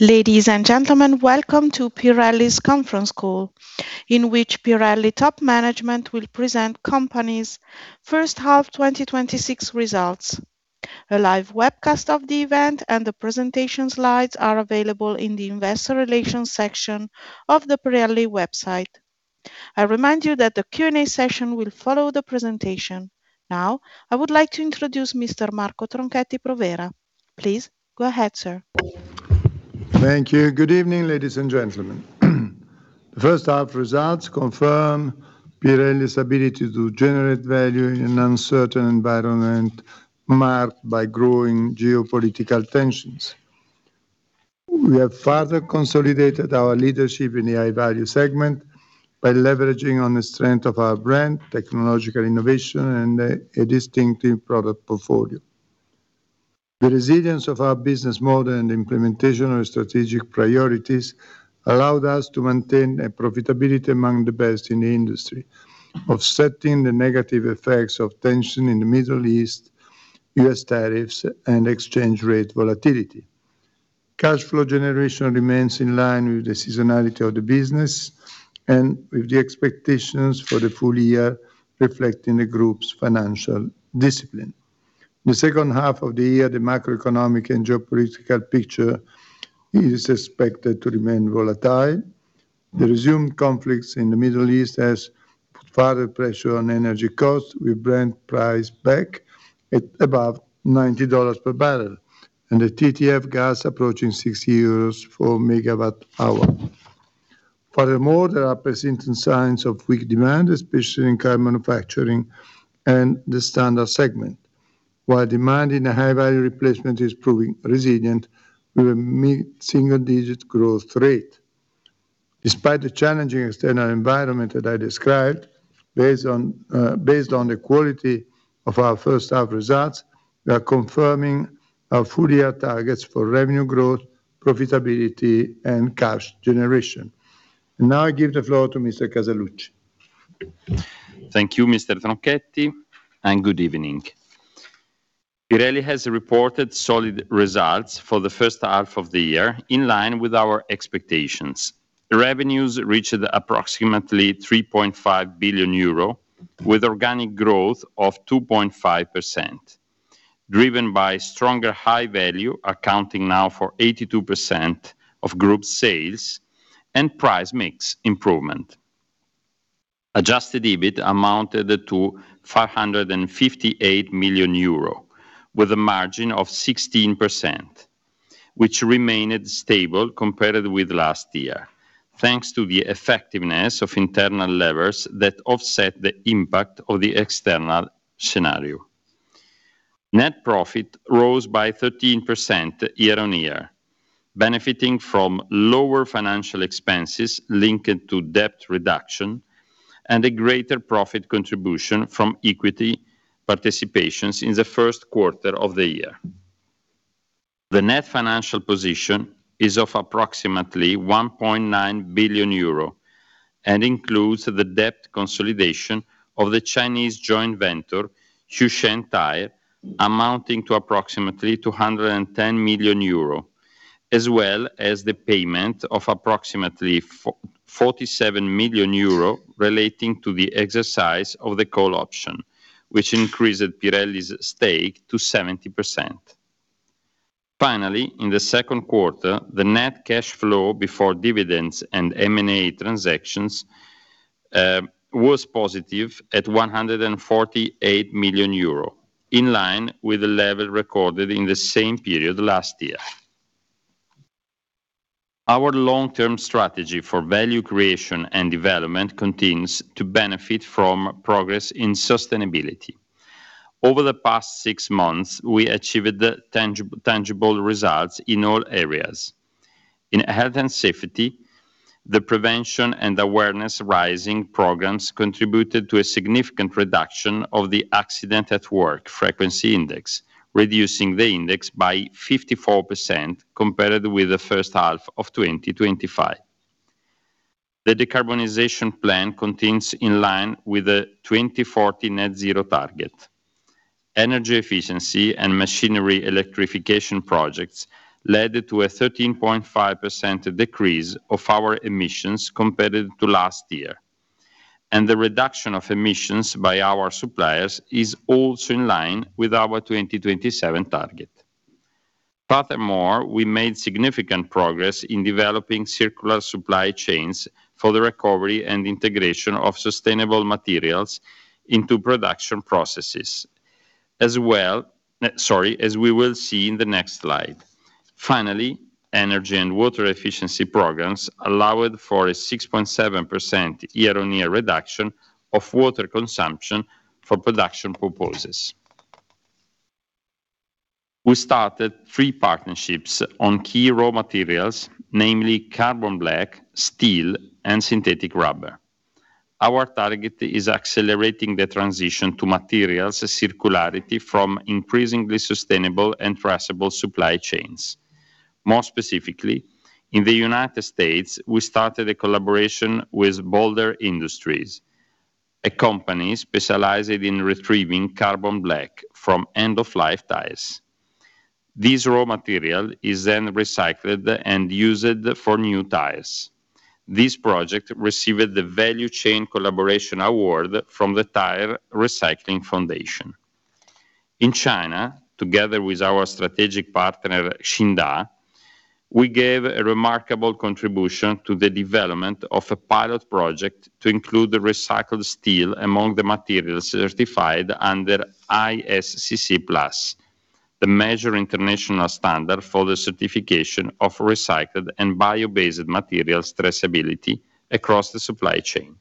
Ladies and gentlemen, welcome to Pirelli's conference call, in which Pirelli top management will present company's first half 2026 results. A live webcast of the event and the presentation slides are available in the investor relations section of the Pirelli website. I remind you that the Q&A session will follow the presentation. Now, I would like to introduce Mr. Marco Tronchetti Provera. Please go ahead, sir. Thank you. Good evening, ladies and gentlemen. The first half results confirm Pirelli's ability to generate value in an uncertain environment marked by growing geopolitical tensions. We have further consolidated our leadership in the high value segment by leveraging on the strength of our brand, technological innovation, and a distinctive product portfolio. The resilience of our business model and implementation of strategic priorities allowed us to maintain a profitability among the best in the industry, offsetting the negative effects of tension in the Middle East, U.S. tariffs, and exchange rate volatility. Cash flow generation remains in line with the seasonality of the business and with the expectations for the full year, reflecting the group's financial discipline. In the second half of the year, the macroeconomic and geopolitical picture is expected to remain volatile. The resumed conflicts in the Middle East has put further pressure on energy costs, with Brent price back at above $90 per bbl and the TTF gas approaching 60 euros MW/h. Furthermore, there are persistent signs of weak demand, especially in car manufacturing and the standard segment. While demand in the high value replacement is proving resilient with a mid-single digit growth rate. Despite the challenging external environment that I described, based on the quality of our first half results, we are confirming our full year targets for revenue growth, profitability, and cash generation. Now I give the floor to Mr. Casaluci. Thank you, Mr. Tronchetti, and good evening. Pirelli has reported solid results for the first half of the year in line with our expectations. Revenues reached approximately 3.5 billion euro, with organic growth of 2.5%, driven by stronger high value, accounting now for 82% of group sales, and price mix improvement. Adjusted EBIT amounted to 558 million euro, with a margin of 16%, which remained stable compared with last year, thanks to the effectiveness of internal levers that offset the impact of the external scenario. Net profit rose by 13% year-on-year, benefiting from lower financial expenses linked to debt reduction and a greater profit contribution from equity participations in the first quarter of the year. The net financial position is of approximately 1.9 billion euro and includes the debt consolidation of the Chinese joint venture, Xushen Tyre, amounting to approximately 210 million euro, as well as the payment of approximately, 47 million euro relating to the exercise of the call option, which increased Pirelli's stake to 70%. In the second quarter, the net cash flow before dividends and M&A transactions was positive at 148 million euro, in line with the level recorded in the same period last year. Our long-term strategy for value creation and development continues to benefit from progress in sustainability. Over the past six months, we achieved tangible results in all areas. In health and safety, the prevention and awareness-raising programs contributed to a significant reduction of the accident at work frequency index, reducing the index by 54% compared with the first half of 2025. The decarbonization plan continues in line with the 2040 net zero target. Energy efficiency and machinery electrification projects led to a 13.5% decrease of our emissions compared to last year, and the reduction of emissions by our suppliers is also in line with our 2027 target. We made significant progress in developing circular supply chains for the recovery and integration of sustainable materials into production processes, as we will see in the next slide. Energy and water efficiency programs allowed for a 6.7% year-on-year reduction of water consumption for production purposes. We started three partnerships on key raw materials, namely carbon black, steel, and synthetic rubber. Our target is accelerating the transition to materials circularity from increasingly sustainable and traceable supply chains. More specifically, in the U.S., we started a collaboration with Bolder Industries, a company specialized in retrieving carbon black from end-of-life tires. This raw material is recycled and used for new tires. This project received the Value Chain Collaboration Award from the Tire Recycling Foundation. In China, together with our strategic partner, Xinda, we gave a remarkable contribution to the development of a pilot project to include recycled steel among the materials certified under ISCC PLUS, the major international standard for the certification of recycled and bio-based materials traceability across the supply chain.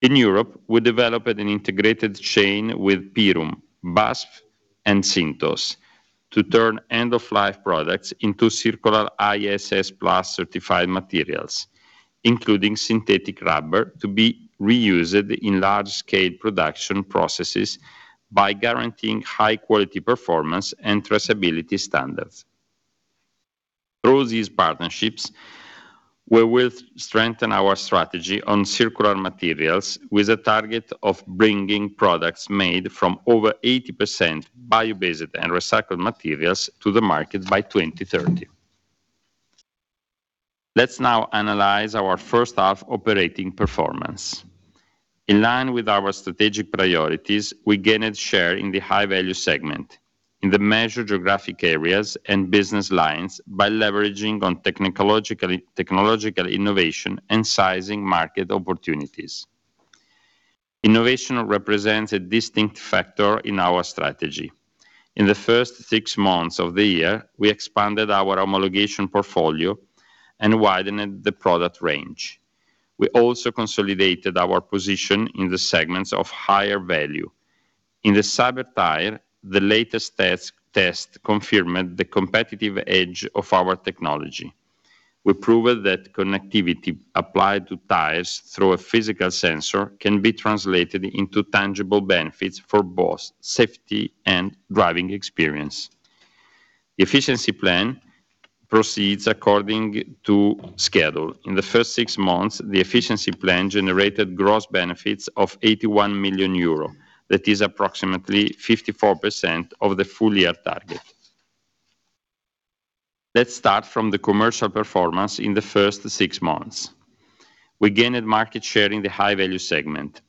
In Europe, we developed an integrated chain with Pyrum, BASF, and Synthos to turn end-of-life products into circular ISCC PLUS certified materials, including synthetic rubber, to be reused in large scale production processes by guaranteeing high quality performance and traceability standards. Through these partnerships, we will strengthen our strategy on circular materials with a target of bringing products made from over 80% bio-based and recycled materials to the market by 2030. Let's now analyze our first half operating performance. In line with our strategic priorities, we gained share in the high value segment in the major geographic areas and business lines by leveraging on technological innovation and seizing market opportunities. Innovation represents a distinct factor in our strategy. In the first six months of the year, we expanded our homologation portfolio and widened the product range. We also consolidated our position in the segments of higher value. In the Cyber Tyre, the latest test confirmed the competitive edge of our technology. We proved that connectivity applied to tires through a physical sensor can be translated into tangible benefits for both safety and driving experience. The efficiency plan proceeds according to schedule. In the first six months, the efficiency plan generated gross benefits of 81 million euro. That is approximately 54% of the full year target. Let's start from the commercial performance in the first six months. We gained market share in the high value segment,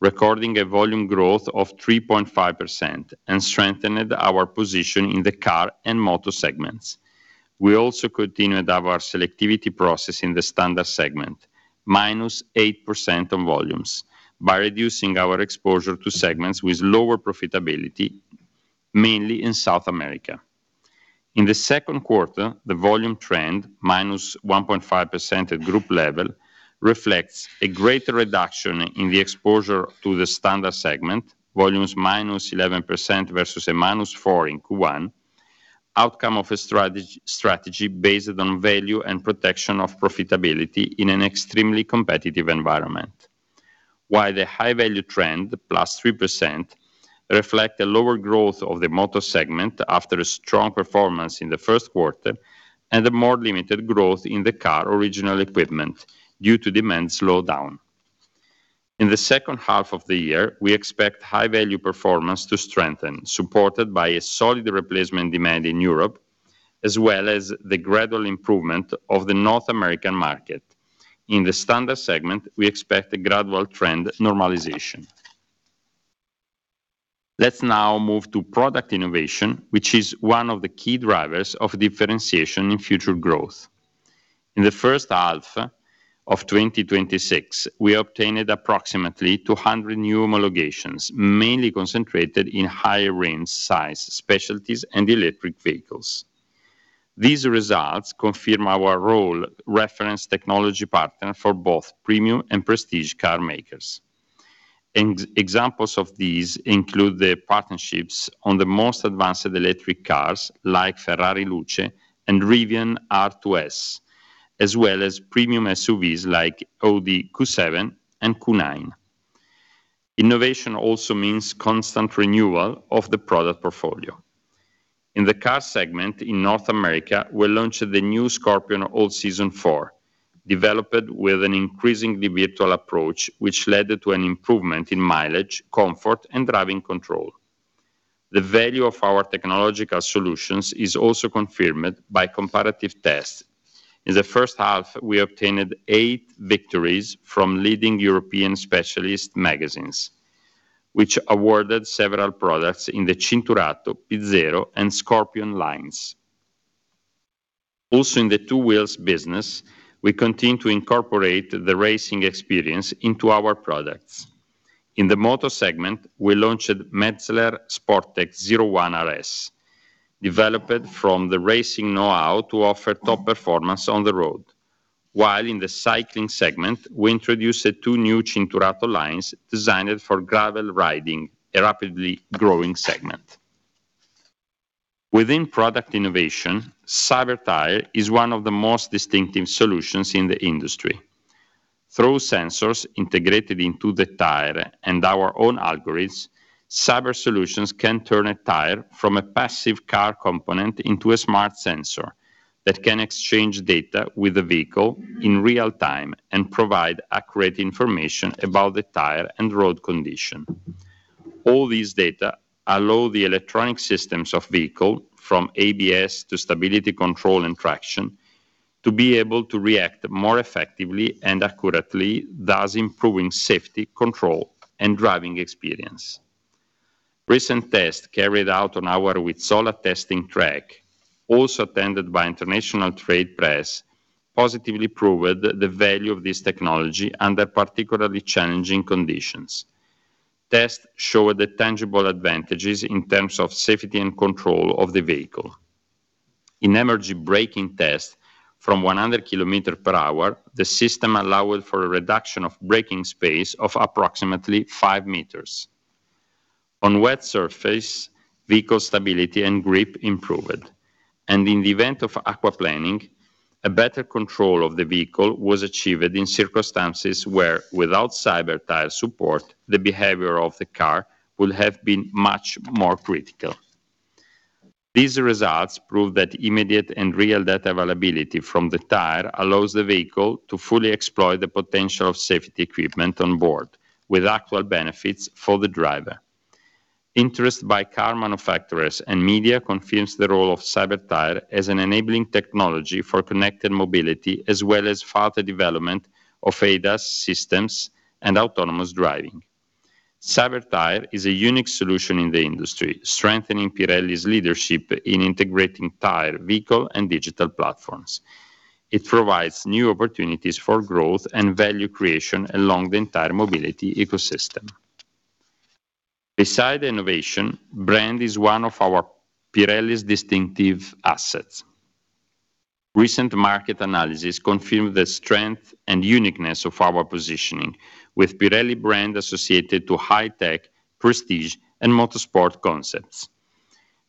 recording a volume growth of 3.5% and strengthened our position in the car and motor segments. We also continued our selectivity process in the standard segment, -8% on volumes, by reducing our exposure to segments with lower profitability, mainly in South America. In the second quarter, the volume trend, -1.5% at group level, reflects a greater reduction in the exposure to the standard segment. Volumes -11% versus a -4% in Q1, outcome of a strategy based on value and protection of profitability in an extremely competitive environment. The high value trend, +3%, reflects a lower growth of the motor segment after a strong performance in the first quarter and a more limited growth in the car original equipment due to demand slowdown. In the second half of the year, we expect high value performance to strengthen, supported by a solid replacement demand in Europe, as well as the gradual improvement of the North American market. In the standard segment, we expect a gradual trend normalization. Let's now move to product innovation, which is one of the key drivers of differentiation in future growth. In the first half of 2026, we obtained approximately 200 new homologations, mainly concentrated in higher range size specialties and electric vehicles. These results confirm our role reference technology partner for both premium and prestige car makers. Examples of these include the partnerships on the most advanced electric cars like Ferrari Luce and Rivian R2S, as well as premium SUVs like Audi Q7 and Q9. Innovation also means constant renewal of the product portfolio. In the car segment in North America, we launched the new Scorpion All Season 4, developed with an increasingly virtual approach, which led to an improvement in mileage, comfort, and driving control. The value of our technological solutions is also confirmed by comparative tests. In the first half, we obtained eight victories from leading European specialist magazines, which awarded several products in the Cinturato, P Zero, and Scorpion lines. In the two wheels business, we continue to incorporate the racing experience into our products. In the motor segment, we launched Metzeler Sportec Zero 1 RS, developed from the racing knowhow to offer top performance on the road. In the cycling segment, we introduced two new Cinturato lines designed for gravel riding, a rapidly growing segment. Within product innovation, Cyber Tyre is one of the most distinctive solutions in the industry. Through sensors integrated into the tire and our own algorithms, Cyber solutions can turn a tire from a passive car component into a smart sensor that can exchange data with the vehicle in real time and provide accurate information about the tire and road condition. All these data allow the electronic systems of vehicle, from ABS to stability control and traction, to be able to react more effectively and accurately, thus improving safety, control and driving experience. Recent tests carried out on our Vizzola testing track, also attended by international trade press, positively proved the value of this technology under particularly challenging conditions. Tests showed the tangible advantages in terms of safety and control of the vehicle. In emergency braking test from 100 km/h, the system allowed for a reduction of braking space of approximately 5 m. On wet surface, vehicle stability and grip improved, and in the event of aquaplaning, a better control of the vehicle was achieved in circumstances where, without Cyber Tyre support, the behavior of the car would have been much more critical. These results prove that immediate and real data availability from the tire allows the vehicle to fully exploit the potential of safety equipment on board, with actual benefits for the driver. Interest by car manufacturers and media confirms the role of Cyber Tyre as an enabling technology for connected mobility, as well as further development of ADAS systems and autonomous driving. Cyber Tyre is a unique solution in the industry, strengthening Pirelli's leadership in integrating tire, vehicle, and digital platforms. It provides new opportunities for growth and value creation along the entire mobility ecosystem. Beside innovation, brand is one of our Pirelli's distinctive assets. Recent market analysis confirmed the strength and uniqueness of our positioning with Pirelli brand associated to high tech, prestige, and motorsport concepts.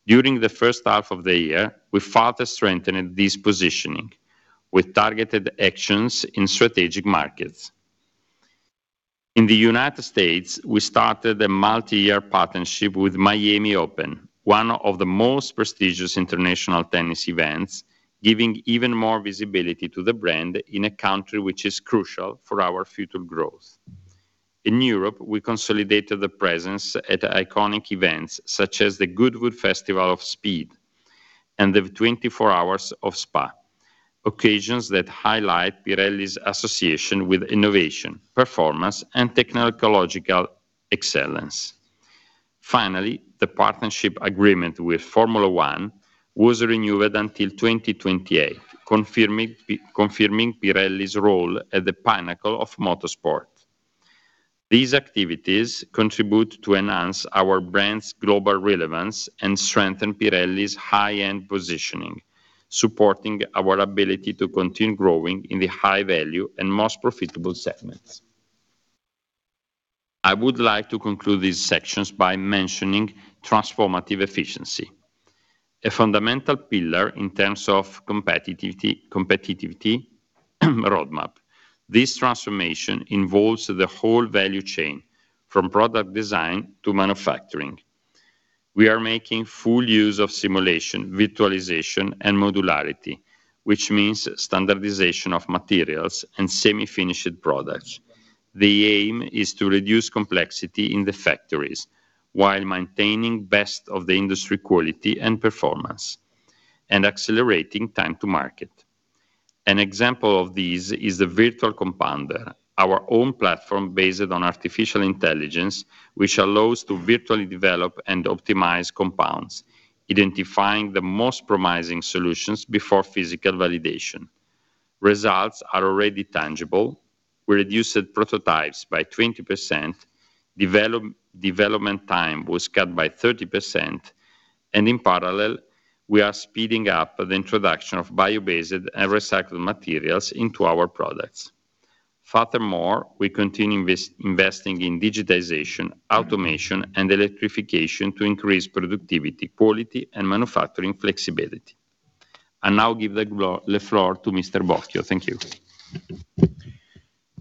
During the first half of the year, we further strengthened this positioning with targeted actions in strategic markets. In the United States, we started a multi-year partnership with Miami Open, one of the most prestigious international tennis events, giving even more visibility to the brand in a country which is crucial for our future growth. In Europe, we consolidated the presence at iconic events such as the Goodwood Festival of Speed and the 24 Hours of Spa, occasions that highlight Pirelli's association with innovation, performance, and technological excellence. Finally, the partnership agreement with Formula 1 was renewed until 2028, confirming Pirelli's role at the pinnacle of motorsport. These activities contribute to enhance our brand's global relevance and strengthen Pirelli's high-end positioning, supporting our ability to continue growing in the high value and most profitable segments. I would like to conclude these sections by mentioning transformative efficiency, a fundamental pillar in terms of competitiveness roadmap. This transformation involves the whole value chain, from product design to manufacturing. We are making full use of simulation, virtualization, and modularity, which means standardization of materials and semi-finished products. The aim is to reduce complexity in the factories while maintaining best of the industry quality and performance and accelerating time to market. An example of this is the Virtual Compounder, our own platform based on artificial intelligence, which allows to virtually develop and optimize compounds, identifying the most promising solutions before physical validation. Results are already tangible. We reduced prototypes by 20%, development time was cut by 30%, and in parallel, we are speeding up the introduction of bio-based and recycled materials into our products. Furthermore, we continue investing in digitization, automation, and electrification to increase productivity, quality, and manufacturing flexibility. I now give the floor to Mr. Bocchio. Thank you.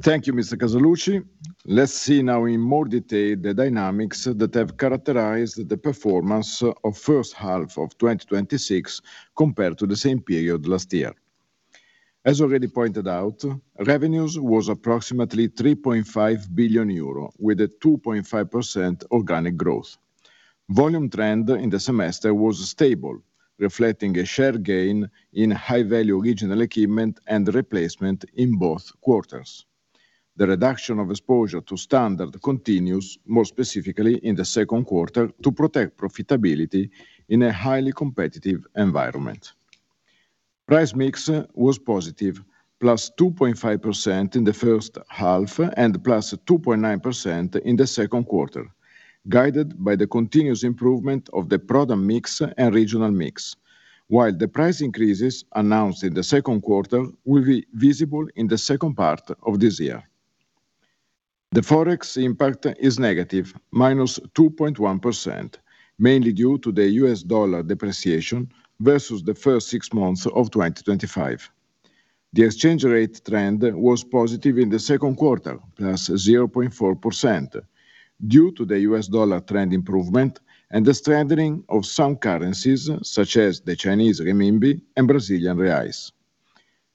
Thank you, Mr. Casaluci. Let's see now in more detail the dynamics that have characterized the performance of first half of 2026 compared to the same period last year. As already pointed out, revenues were approximately 3.5 billion euro, with a 2.5% organic growth. Volume trend in the semester was stable, reflecting a share gain in high-value original equipment and replacement in both quarters. The reduction of exposure to standard continues, more specifically in the second quarter, to protect profitability in a highly competitive environment. Price mix was positive, plus 2.5% in the first half and plus 2.9% in the second quarter, guided by the continuous improvement of the product mix and regional mix. The price increases announced in the second quarter will be visible in the second part of this year. The Forex impact is negative, -2.1%, mainly due to the U.S. dollar depreciation versus the first six months of 2025. The exchange rate trend was positive in the second quarter, +0.4%, due to the U.S. dollar trend improvement and the strengthening of some currencies such as the Chinese renminbi and Brazilian reais.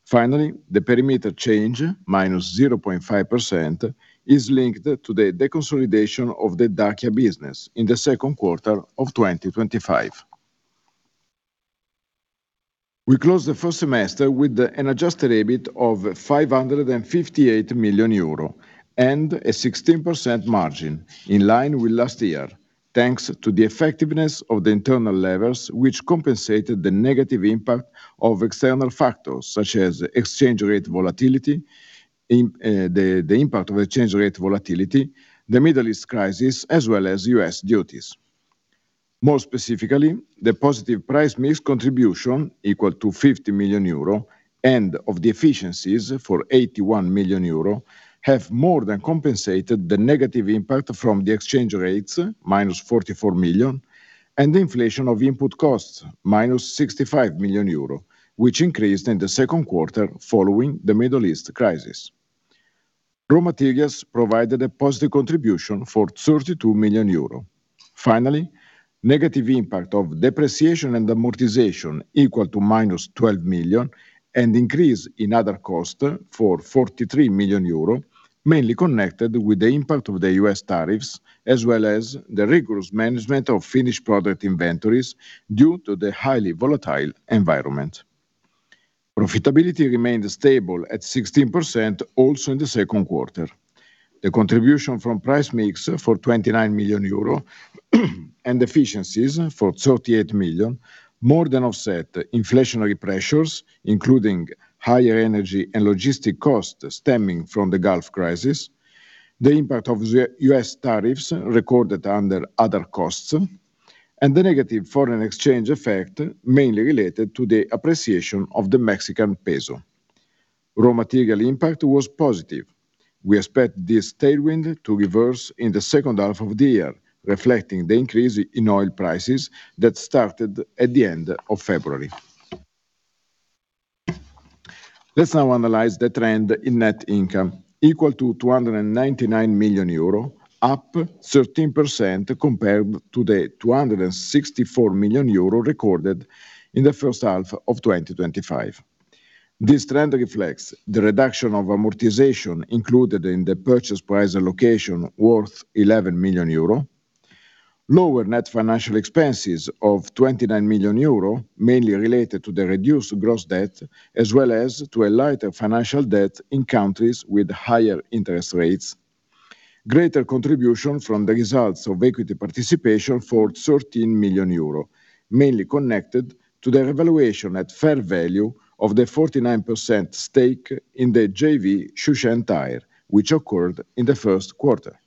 Finally, the perimeter change, -0.5%, is linked to the deconsolidation of the Däckia business in the second quarter of 2025. We closed the first semester with an adjusted EBIT of 558 million euro and a 16% margin in line with last year, thanks to the effectiveness of the internal levers, which compensated the negative impact of external factors such as exchange rate volatility, the Middle East crisis, as well as U.S. duties. More specifically, the positive price mix contribution, equal to 50 million euro, and of the efficiencies for 81 million euro, have more than compensated the negative impact from the exchange rates, -44 million, and the inflation of input costs, -65 million euro, which increased in the second quarter following the Middle East crisis. Raw materials provided a positive contribution for EUR 32 million. Finally, negative impact of depreciation and amortization equal to -12 million, and increase in other costs for 43 million euro, mainly connected with the impact of the U.S. tariffs, as well as the rigorous management of finished product inventories due to the highly volatile environment. Profitability remained stable at 16%, also in the second quarter. The contribution from price mix for 29 million euro and efficiencies for 38 million, more than offset inflationary pressures, including higher energy and logistic costs stemming from the Gulf crisis, the impact of U.S. tariffs recorded under other costs, and the negative foreign exchange effect, mainly related to the appreciation of the Mexican peso. Raw material impact was positive. We expect this tailwind to reverse in the second half of the year, reflecting the increase in oil prices that started at the end of February. Let's now analyze the trend in net income equal to 299 million euro, up 13% compared to the 264 million euro recorded in the first half of 2025. This trend reflects the reduction of amortization included in the purchase price allocation worth 11 million euro, lower net financial expenses of 29 million euro, mainly related to the reduced gross debt, as well as to a lighter financial debt in countries with higher interest rates. Greater contribution from the results of equity participation for 13 million euro, mainly connected to the revaluation at fair value of the 49% stake in the JV Xushen Tyre, which occurred in the first quarter.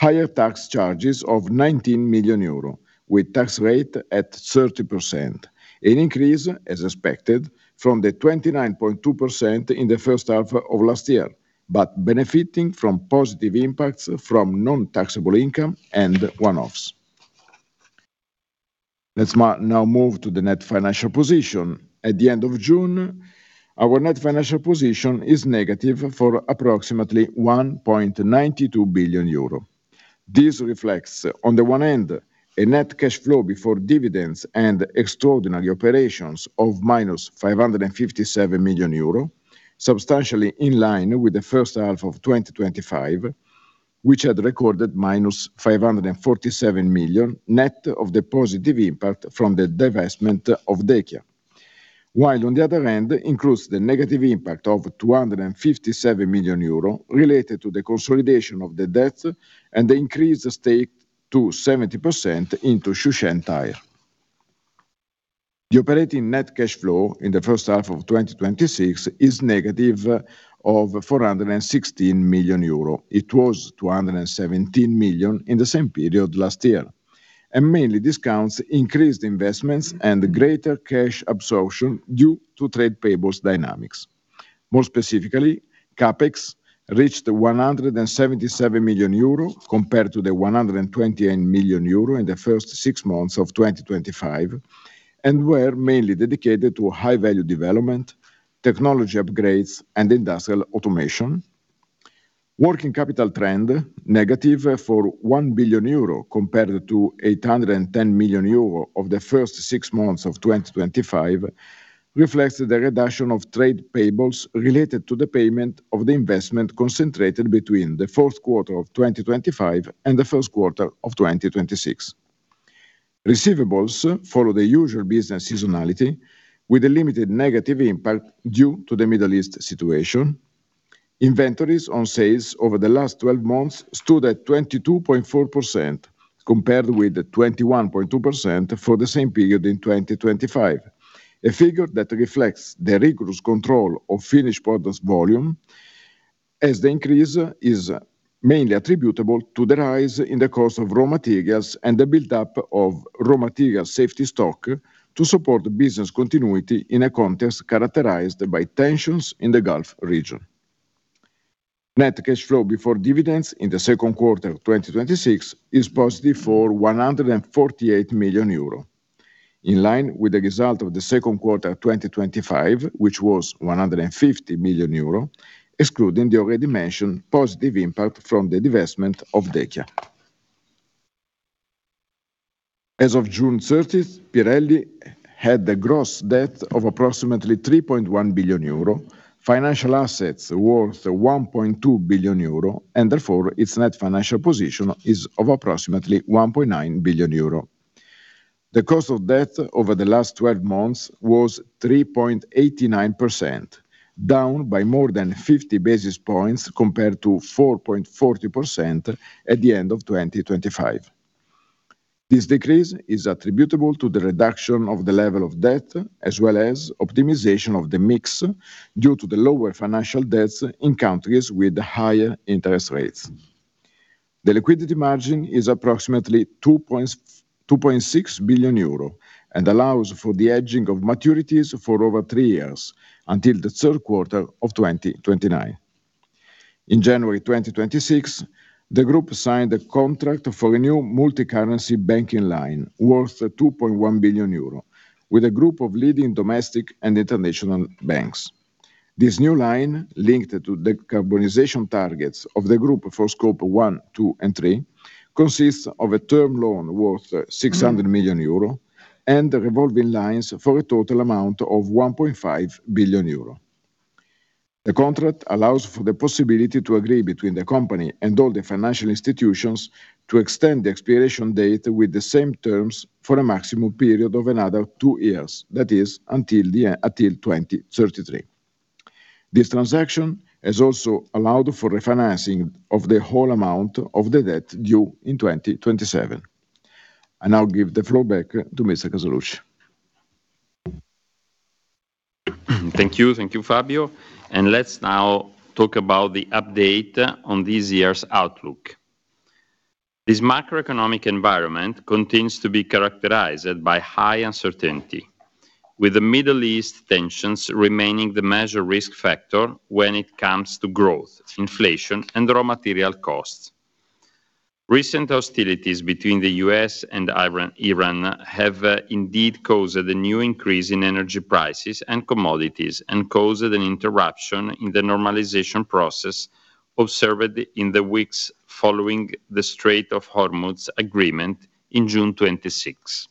Higher tax charges of 19 million euro, with tax rate at 30%, an increase as expected from the 29.2% in the first half of last year, but benefiting from positive impacts from non-taxable income and one-offs. Let's now move to the net financial position. At the end of June, our net financial position is negative for approximately 1.92 billion euro. This reflects, on the one end, a net cash flow before dividends and extraordinary operations of -557 million euro, substantially in line with the first half of 2025, which had recorded -547 million, net of the positive impact from the divestment of Däckia. On the other hand, includes the negative impact of 257 million euro related to the consolidation of the debt and the increased stake to 70% into Xushen Tyre. The operating net cash flow in the first half of 2026 is -416 million euro. It was 217 million in the same period last year, and mainly this accounts increased investments and greater cash absorption due to trade payables dynamics. More specifically, CapEx reached 177 million euro compared to the 128 million euro in the first six months of 2025, and were mainly dedicated to high-value development, technology upgrades, and industrial automation. Working capital trend, -1 billion euro compared to 810 million euro of the first six months of 2025, reflects the reduction of trade payables related to the payment of the investment concentrated between the fourth quarter of 2025 and the first quarter of 2026. Receivables follow the usual business seasonality with a limited negative impact due to the Middle East situation. Inventories on sales over the last 12 months stood at 22.4% compared with the 21.2% for the same period in 2025. A figure that reflects the rigorous control of finished products volume, as the increase is mainly attributable to the rise in the cost of raw materials and the buildup of raw material safety stock to support business continuity in a context characterized by tensions in the Gulf region. Net cash flow before dividends in the second quarter of 2026 is positive for 148 million euro. In line with the result of the second quarter 2025, which was 150 million euro, excluding the already mentioned positive impact from the divestment of Däckia. As of June 30th, Pirelli had a gross debt of approximately 3.1 billion euro, financial assets worth 1.2 billion euro, and therefore, its net financial position is of approximately 1.9 billion euro. The cost of debt over the last 12 months was 3.89%, down by more than 50 basis points compared to 4.40% at the end of 2025. This decrease is attributable to the reduction of the level of debt, as well as optimization of the mix due to the lower financial debts in countries with higher interest rates. The liquidity margin is approximately 2.6 billion euro and allows for the hedging of maturities for over three years until the third quarter of 2029. In January 2026, the group signed a contract for a new multicurrency banking line worth 2.1 billion euro with a group of leading domestic and international banks. This new line, linked to decarbonization targets of the group for scope one, two, and three, consists of a term loan worth 600 million euro and revolving lines for a total amount of 1.5 billion euro. The contract allows for the possibility to agree between the company and all the financial institutions to extend the expiration date with the same terms for a maximum period of another two years, that is, until 2033. This transaction has also allowed for refinancing of the whole amount of the debt due in 2027. I now give the floor back to Mr. Casaluci. Thank you, Fabio. Let's now talk about the update on this year's outlook. This macroeconomic environment continues to be characterized by high uncertainty, with the Middle East tensions remaining the major risk factor when it comes to growth, inflation, and raw material costs. Recent hostilities between the U.S. and Iran have indeed caused a new increase in energy prices and commodities and caused an interruption in the normalization process observed in the weeks following the Strait of Hormuz agreement in June 2026.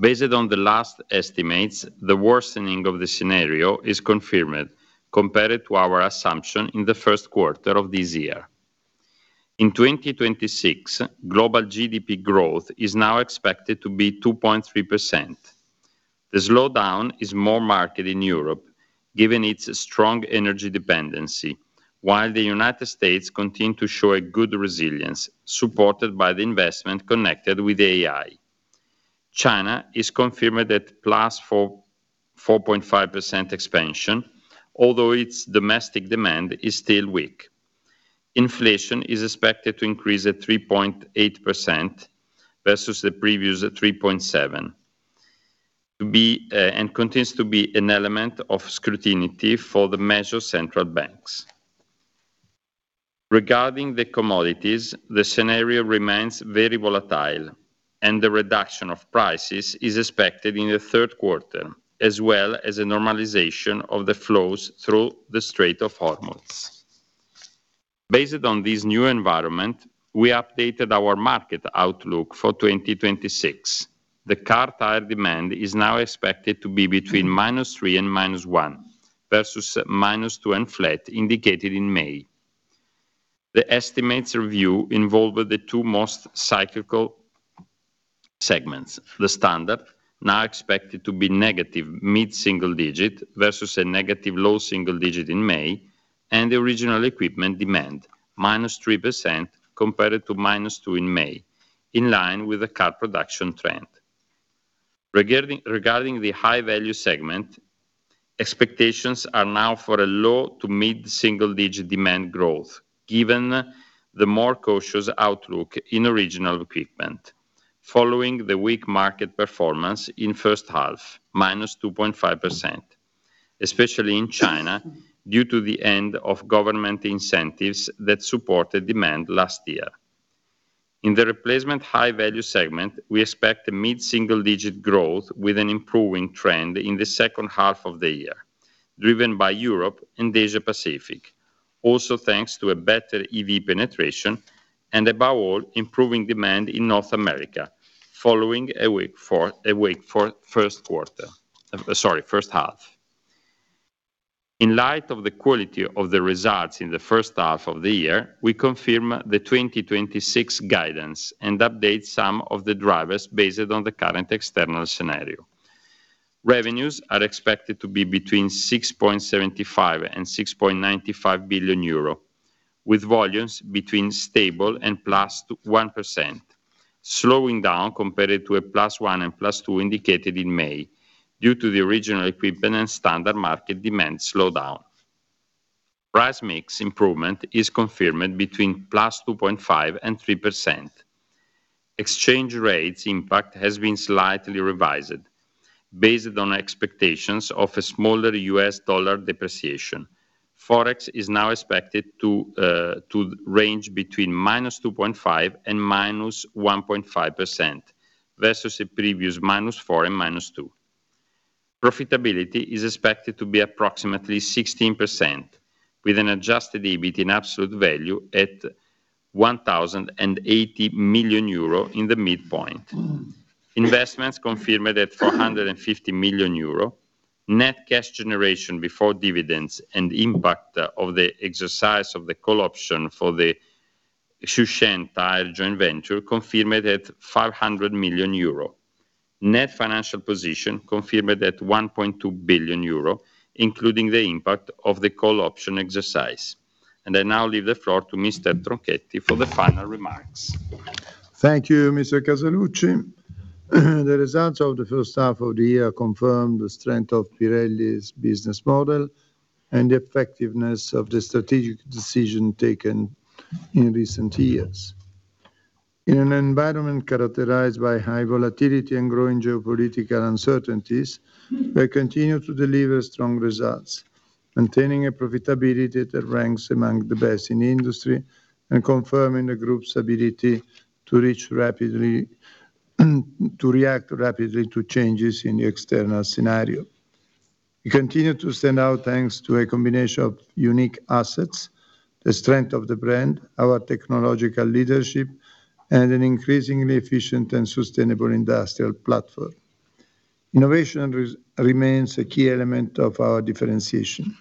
Based on the last estimates, the worsening of the scenario is confirmed compared to our assumption in the first quarter of this year. In 2026, global GDP growth is now expected to be 2.3%. The slowdown is more marked in Europe, given its strong energy dependency, while the United States continue to show a good resilience, supported by the investment connected with AI. China is confirmed at +4.5% expansion, although its domestic demand is still weak. Inflation is expected to increase at 3.8% versus the previous at 3.7%, and continues to be an element of scrutiny for the major central banks. Regarding the commodities, the scenario remains very volatile, and the reduction of prices is expected in the third quarter, as well as a normalization of the flows through the Strait of Hormuz. Based on this new environment, we updated our market outlook for 2026. The car tire demand is now expected to be between -3 and -1 versus minus two and flat indicated in May. The estimates review involved the two most cyclical segments. The standard, now expected to be negative mid-single digit versus a negative low single digit in May, and the original equipment demand, -3% compared to -2% in May, in line with the car production trend. Regarding the high-value segment, expectations are now for a low to mid-single digit demand growth given the more cautious outlook in original equipment following the weak market performance in first half, -2.5%, especially in China, due to the end of government incentives that supported demand last year. In the replacement high-value segment, we expect a mid-single digit growth with an improving trend in the second half of the year, driven by Europe and Asia Pacific. Also, thanks to a better EV penetration and above all, improving demand in North America following a weak first quarter, sorry, first half. In light of the quality of the results in the first half of the year, we confirm the 2026 guidance and update some of the drivers based on the current external scenario. Revenues are expected to be between 6.75 billion and 6.95 billion euro, with volumes between stable and +1%, slowing down compared to a +1% and +2% indicated in May, due to the original equipment and standard market demand slowdown. Price mix improvement is confirmed between +2.5% and 3%. Exchange rates impact has been slightly revised based on expectations of a smaller U.S. dollar depreciation. Forex is now expected to range between -2.5% and -1.5% versus the previous -4% and -2%. Profitability is expected to be approximately 16%, with an adjusted EBIT in absolute value at 1,080 million euro in the midpoint. Investments confirmed at 450 million euro. Net cash generation before dividends and impact of the exercise of the call option for the Xushen Tyre joint venture confirmed at 500 million euro. Net financial position confirmed at 1.2 billion euro, including the impact of the call option exercise. I now leave the floor to Mr. Tronchetti for the final remarks. Thank you, Mr. Casaluci. The results of the first half of the year confirm the strength of Pirelli's business model and the effectiveness of the strategic decision taken in recent years. In an environment characterized by high volatility and growing geopolitical uncertainties, we continue to deliver strong results, maintaining a profitability that ranks among the best in the industry and confirming the group's ability to react rapidly to changes in the external scenario. We continue to stand out thanks to a combination of unique assets, the strength of the brand, our technological leadership, and an increasingly efficient and sustainable industrial platform. Innovation remains a key element of our differentiation.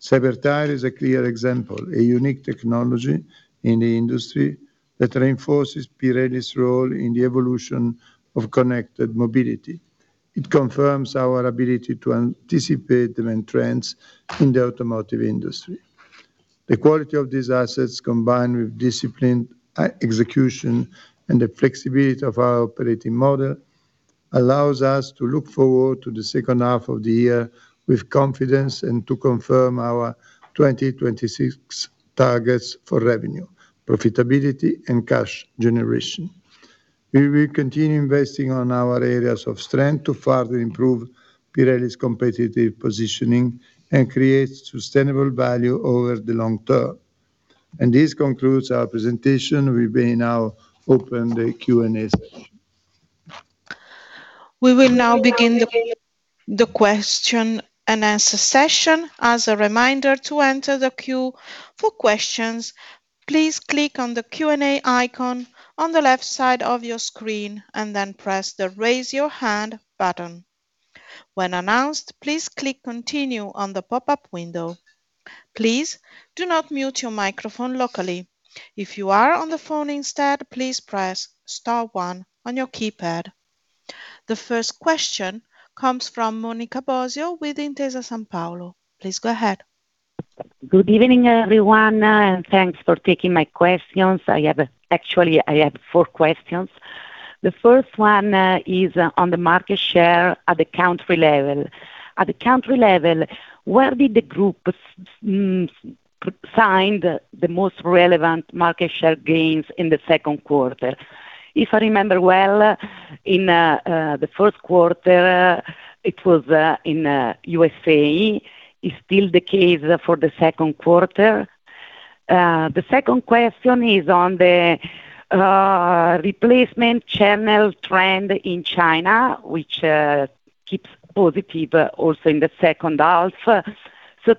Cyber Tyre is a clear example, a unique technology in the industry that reinforces Pirelli's role in the evolution of connected mobility. It confirms our ability to anticipate the main trends in the automotive industry. The quality of these assets, combined with disciplined execution and the flexibility of our operating model, allows us to look forward to the second half of the year with confidence and to confirm our 2026 targets for revenue, profitability, and cash generation. We will continue investing on our areas of strength to further improve Pirelli's competitive positioning and create sustainable value over the long term. This concludes our presentation. We may now open the Q&A session. We will now begin the question-and-answer session. As a reminder, to enter the queue for questions, please click on the Q&A icon on the left side of your screen and then press the Raise Your Hand button. When announced, please click Continue on the pop-up window. Please do not mute your microphone locally. If you are on the phone instead, please press star one on your keypad. The first question comes from Monica Bosio with Intesa Sanpaolo. Please go ahead. Good evening, everyone. Thanks for taking my questions. Actually, I have four questions. The first one is on the market share at the country level. At the country level, where did the group find the most relevant market share gains in the second quarter? If I remember well, in the first quarter, it was in the U.S. Is it still the case for the second quarter? The second question is on the replacement channel trend in China, which keeps positive also in the second half.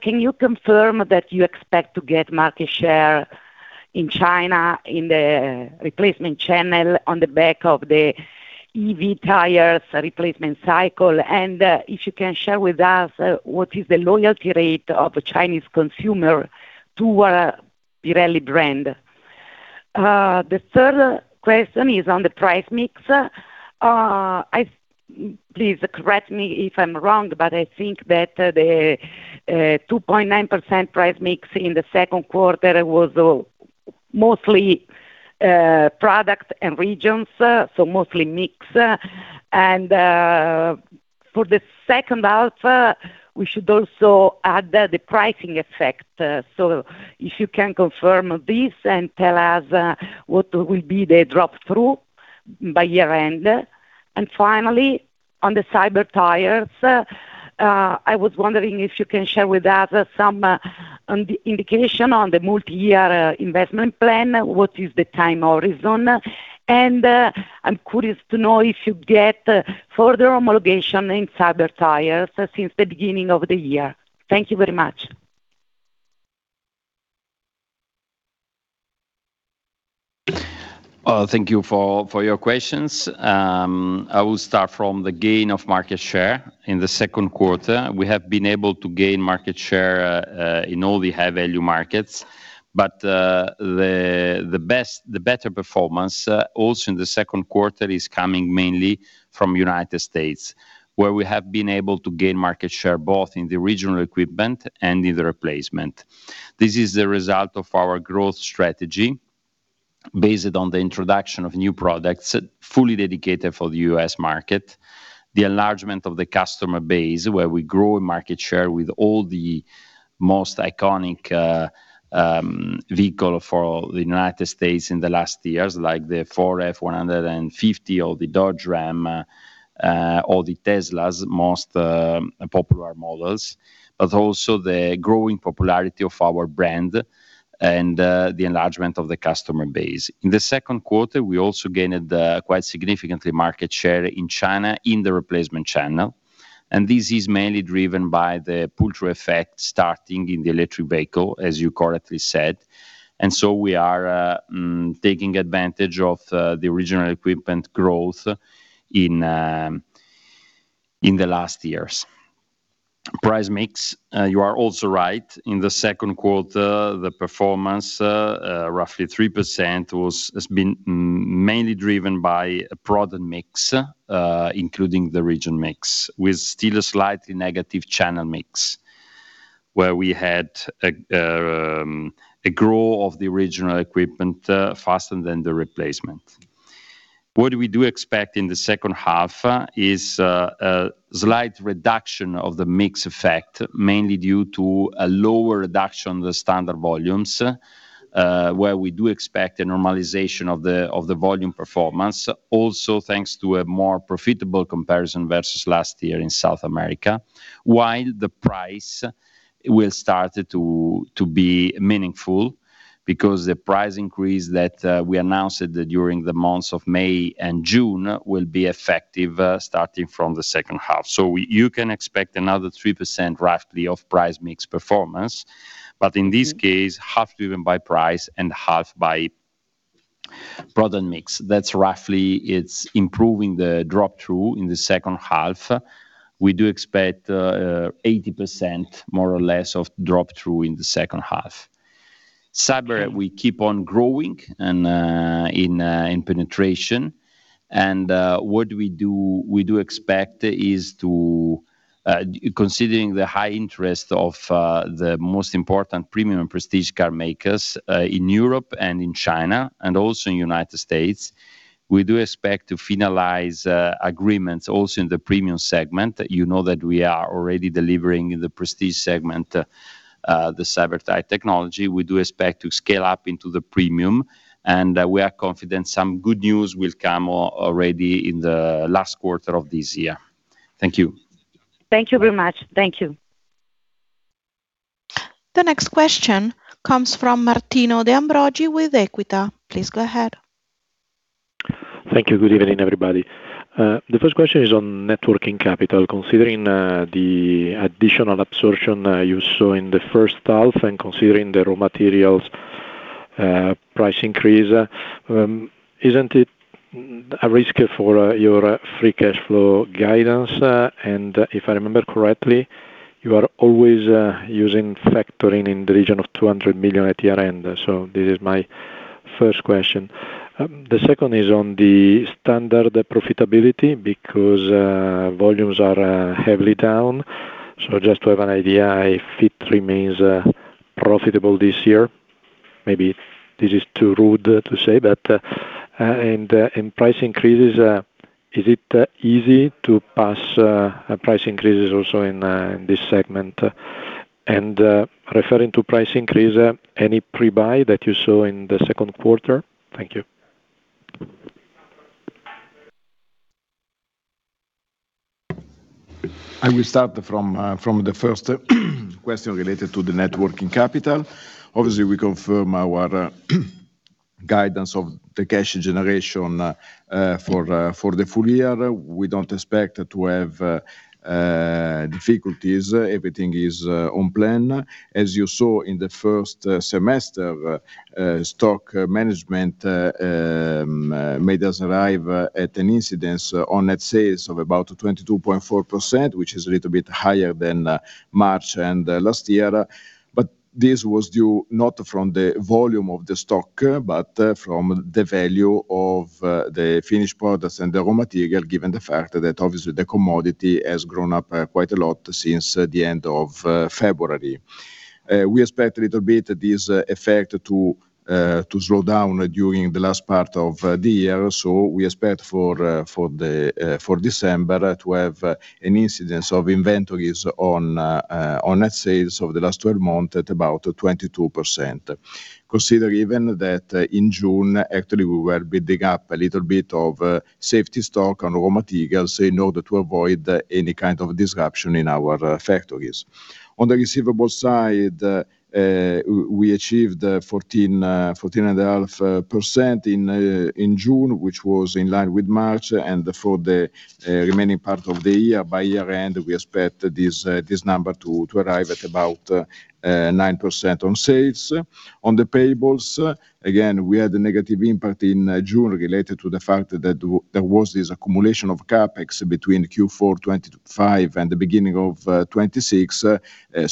Can you confirm that you expect to get market share in China in the replacement channel on the back of the EV tires replacement cycle? If you can share with us what is the loyalty rate of Chinese consumer to a Pirelli brand? The third question is on the price mix. Please correct me if I'm wrong, but I think that the 2.9% price mix in the second quarter was mostly product and regions, so mostly mix. For the second half, we should also add the pricing effect. If you can confirm this and tell us what will be the drop through by year-end. Finally, on the Cyber tires, I was wondering if you can share with us some indication on the multi-year investment plan. What is the time horizon? I'm curious to know if you get further homologation in Cyber tires since the beginning of the year. Thank you very much. Thank you for your questions. I will start from the gain of market share in the second quarter. We have been able to gain market share in all the high-value markets, but the better performance also in the second quarter is coming mainly from United States, where we have been able to gain market share both in the original equipment and in the replacement. This is the result of our growth strategy based on the introduction of new products fully dedicated for the U.S. market, the enlargement of the customer base, where we grow market share with all the most iconic vehicle for the United States in the last years, like the Ford F-150 or the Dodge Ram, or the Tesla's most popular models. Also the growing popularity of our brand and the enlargement of the customer base. In the second quarter, we also gained quite significantly market share in China in the replacement channel, this is mainly driven by the pull-through effect starting in the electric vehicle, as you correctly said. We are taking advantage of the original equipment growth in the last years. Price mix, you are also right. In the second quarter, the performance, roughly 3%, has been mainly driven by a product mix, including the region mix, with still a slightly negative channel mix, where we had a growth of the original equipment faster than the replacement. What we do expect in the second half is a slight reduction of the mix effect, mainly due to a lower reduction in the standard volumes, where we do expect a normalization of the volume performance. Also, thanks to a more profitable comparison versus last year in South America, while the price will start to be meaningful because the price increase that we announced during the months of May and June will be effective starting from the second half. You can expect another 3%, roughly, of price mix performance. In this case, half driven by price and half by product mix. That's roughly, it's improving the drop-through in the second half. We do expect 80%, more or less, of drop-through in the second half. Cyber, we keep on growing in penetration. What we do expect is, considering the high interest of the most important premium and prestige car makers in Europe and in China and also in U.S., we do expect to finalize agreements also in the premium segment. You know that we are already delivering in the prestige segment, the Cyber Tyre technology. We do expect to scale up into the premium, we are confident some good news will come already in the last quarter of this year. Thank you. Thank you very much. Thank you. The next question comes from Martino De Ambroggi with Equita. Please go ahead. Thank you. Good evening, everybody. The first question is on networking capital. Considering the additional absorption you saw in the first half and considering the raw materials price increase, isn't it a risk for your free cash flow guidance? If I remember correctly, you are always using factoring in the region of 200 million at year-end. This is my first question. The second is on the standard profitability, because volumes are heavily down. Just to have an idea, if it remains profitable this year, maybe this is too rude to say, but in price increases, is it easy to pass price increases also in this segment? Referring to price increase, any pre-buy that you saw in the second quarter? Thank you. I will start from the first question related to the networking capital. Obviously, we confirm our guidance of the cash generation for the full year. We don't expect to have difficulties. Everything is on plan. As you saw in the first semester, stock management made us arrive at an incidence on net sales of about 22.4%, which is a little bit higher than March and last year. This was due not from the volume of the stock, but from the value of the finished products and the raw material, given the fact that obviously the commodity has grown up quite a lot since the end of February. We expect a little bit this effect to slow down during the last part of the year. We expect for December to have an incidence of inventories on net sales over the last 12 months at about 22%. Consider even that in June, actually, we were building up a little bit of safety stock on raw materials in order to avoid any kind of disruption in our factories. On the receivables side, we achieved 14.5% in June, which was in line with March, and for the remaining part of the year by year-end, we expect this number to arrive at about 9% on sales. On the payables, again, we had a negative impact in June related to the fact that there was this accumulation of CapEx between Q4 2025 and the beginning of 2026.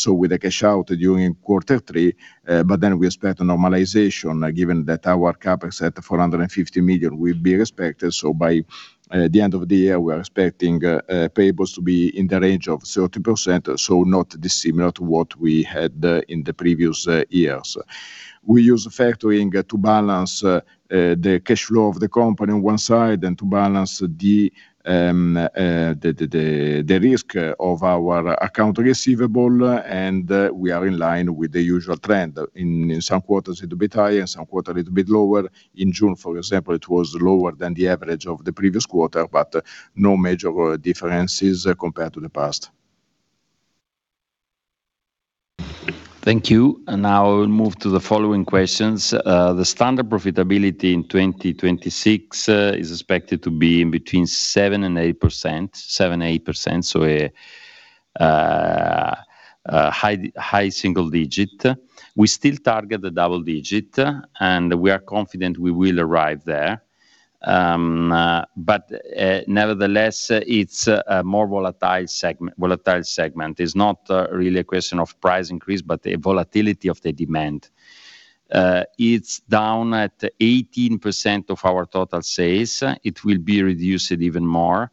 With a cash out during quarter three, but then we expect a normalization given that our CapEx at 450 million will be respected. By the end of the year, we are expecting payables to be in the range of 30%, so not dissimilar to what we had in the previous years. We use factoring to balance the cash flow of the company on one side and to balance the risk of our account receivable, and we are in line with the usual trend. In some quarters a little bit higher, in some quarters a little bit lower. In June, for example, it was lower than the average of the previous quarter, but no major differences compared to the past. Thank you. Now I will move to the following questions. The standard profitability in 2026 is expected to be in between 7%-8%, so a high single digit. We still target the double digit, and we are confident we will arrive there. But nevertheless, it's a more volatile segment. It's not really a question of price increase, but the volatility of the demand, It's down at 18% of our total sales. It will be reduced even more.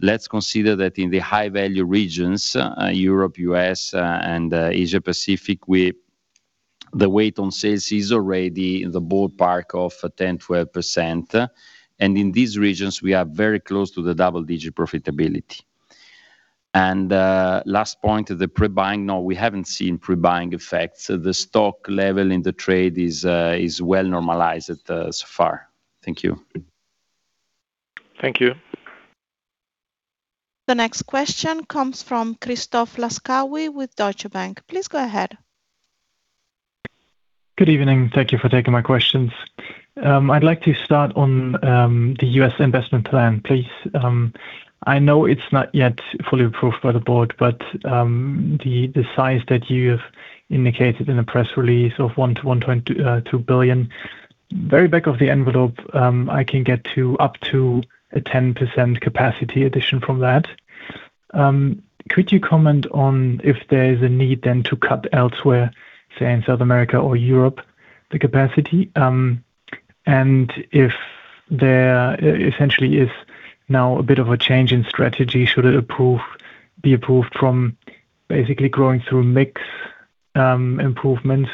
Let's consider that in the high-value regions, Europe, U.S., and Asia-Pacific, the weight on sales is already in the ballpark of 10%-12%. In these regions, we are very close to the double-digit profitability. Last point, the pre-buying. No, we haven't seen pre-buying effects. The stock level in the trade is well-normalized so far. Thank you. Thank you. The next question comes from Christoph Laskawi with Deutsche Bank. Please go ahead. Good evening. Thank you for taking my questions. I'd like to start on the U.S. investment plan, please. I know it's not yet fully approved by the board, but the size that you have indicated in the press release of $1 billion-$1.2 billion, very back of the envelope, I can get to up to a 10% capacity addition from that. Could you comment on if there is a need then to cut elsewhere, say, in South America or Europe, the capacity? If there essentially is now a bit of a change in strategy, should it be approved from basically growing through mix improvements,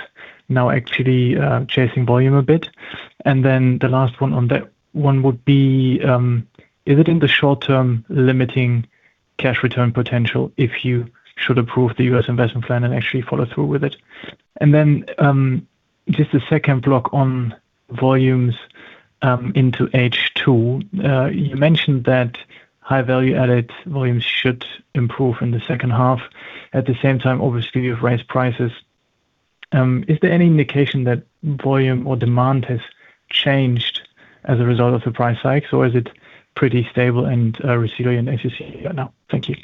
now actually chasing volume a bit? Then the last one on that one would be, is it in the short-term limiting cash return potential if you should approve the U.S. investment plan and actually follow through with it? Just a second block on volumes into H2. You mentioned that high value-added volumes should improve in the second half. At the same time, obviously, you've raised prices. Is there any indication that volume or demand has changed as a result of the price hikes, or is it pretty stable and resilient as you see it now? Thank you.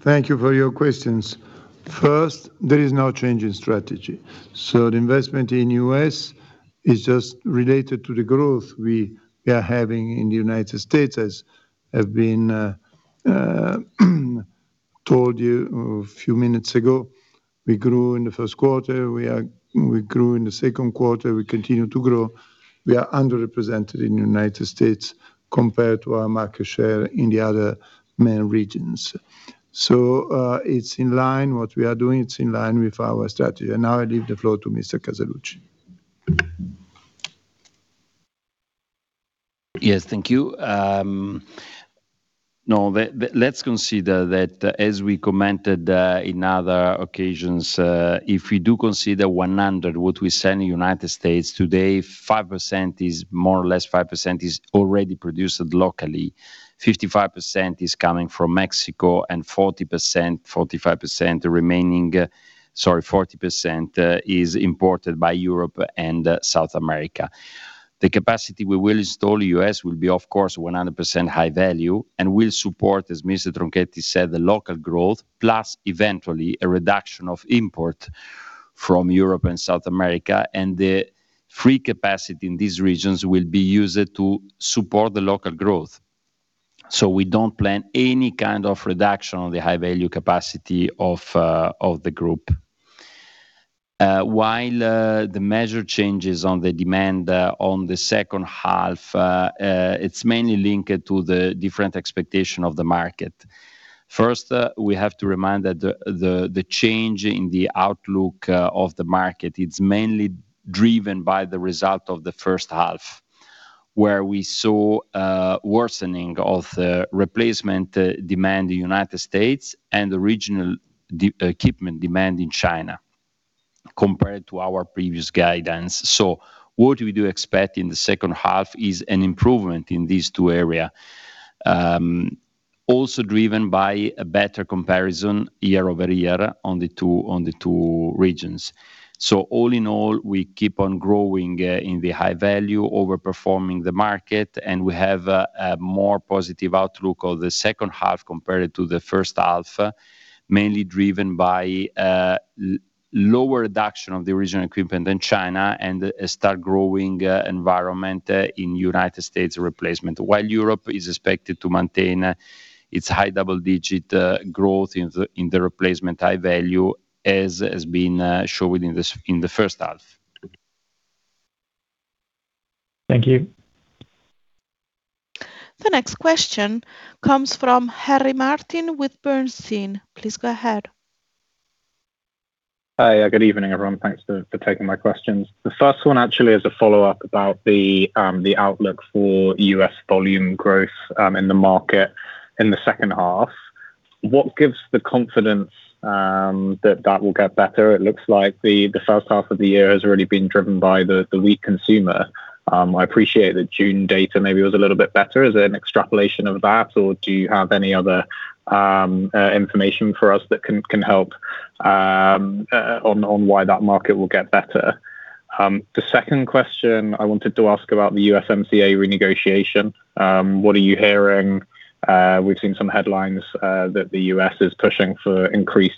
Thank you for your questions. First, there is no change in strategy. The investment in U.S. is just related to the growth we are having in the United States, as I've been told you a few minutes ago. We grew in the first quarter, we grew in the second quarter, we continue to grow. We are underrepresented in the United States compared to our market share in the other main regions. It's in line. What we are doing, it's in line with our strategy. Now I leave the floor to Mr. Casaluci. Yes, thank you. Let's consider that as we commented in other occasions, if we do consider 100, what we sell in the United States today, more or less 5% is already produced locally. 55% is coming from Mexico and 40% is imported by Europe and South America. The capacity we will install in the U.S. will be, of course, 100% high value and will support, as Mr. Tronchetti said, the local growth, plus eventually a reduction of import from Europe and South America, and the free capacity in these regions will be used to support the local growth. We don't plan any kind of reduction on the high-value capacity of the group. While the measure changes on the demand on the second half, it's mainly linked to the different expectation of the market. First, we have to remind that the change in the outlook of the market, it's mainly driven by the result of the first half, where we saw a worsening of the replacement demand in the United States and the regional equipment demand in China compared to our previous guidance. What we do expect in the second half is an improvement in these two area. Also driven by a better comparison year-over-year on the two regions. All in all, we keep on growing in the high value, overperforming the market, and we have a more positive outlook of the second half compared to the first half, mainly driven by lower reduction of the original equipment in China and a start growing environment in United States replacement. While Europe is expected to maintain its high double-digit growth in the replacement high value, as has been shown in the first half. Thank you. The next question comes from Harry Martin with Bernstein. Please go ahead. Hi. Good evening, everyone. Thanks for taking my questions. The first one actually is a follow-up about the outlook for U.S. volume growth in the market in the second half. What gives the confidence that that will get better? It looks like the first half of the year has already been driven by the weak consumer. I appreciate the June data maybe was a little bit better. Is it an extrapolation of that, or do you have any other information for us that can help on why that market will get better? The second question I wanted to ask about the USMCA renegotiation. What are you hearing? We've seen some headlines that the U.S. is pushing for increased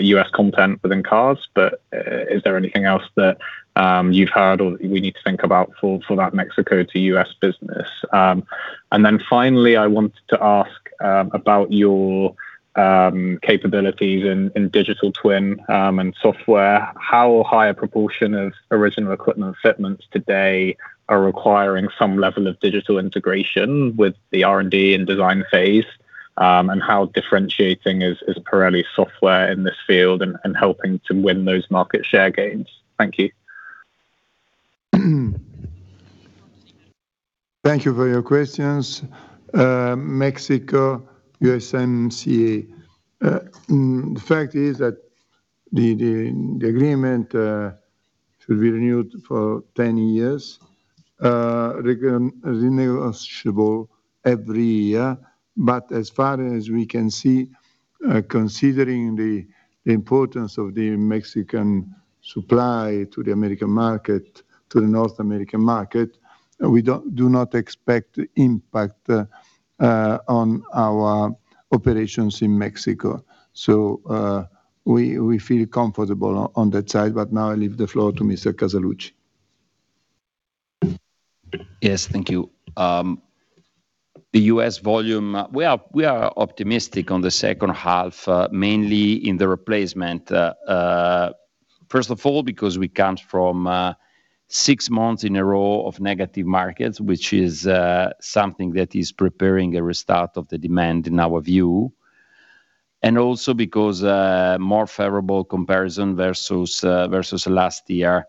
U.S. content within cars, but is there anything else that you've heard or we need to think about for that Mexico to U.S. business? Finally, I wanted to ask about your capabilities in digital twin and software. How higher proportion of original equipment fitments today are requiring some level of digital integration with the R&D and design phase? How differentiating is Pirelli software in this field and helping to win those market share gains? Thank you. Thank you for your questions. Mexico, USMCA. The fact is that the agreement should be renewed for 10 years, renegotiable every year. As far as we can see, considering the importance of the Mexican supply to the North American market, we do not expect impact on our operations in Mexico. We feel comfortable on that side. Now I leave the floor to Mr. Casaluci. Yes, thank you. The U.S. volume, we are optimistic on the second half, mainly in the replacement. First of all, because we come from six months in a row of negative markets, which is something that is preparing a restart of the demand, in our view. Also because more favorable comparison versus last year,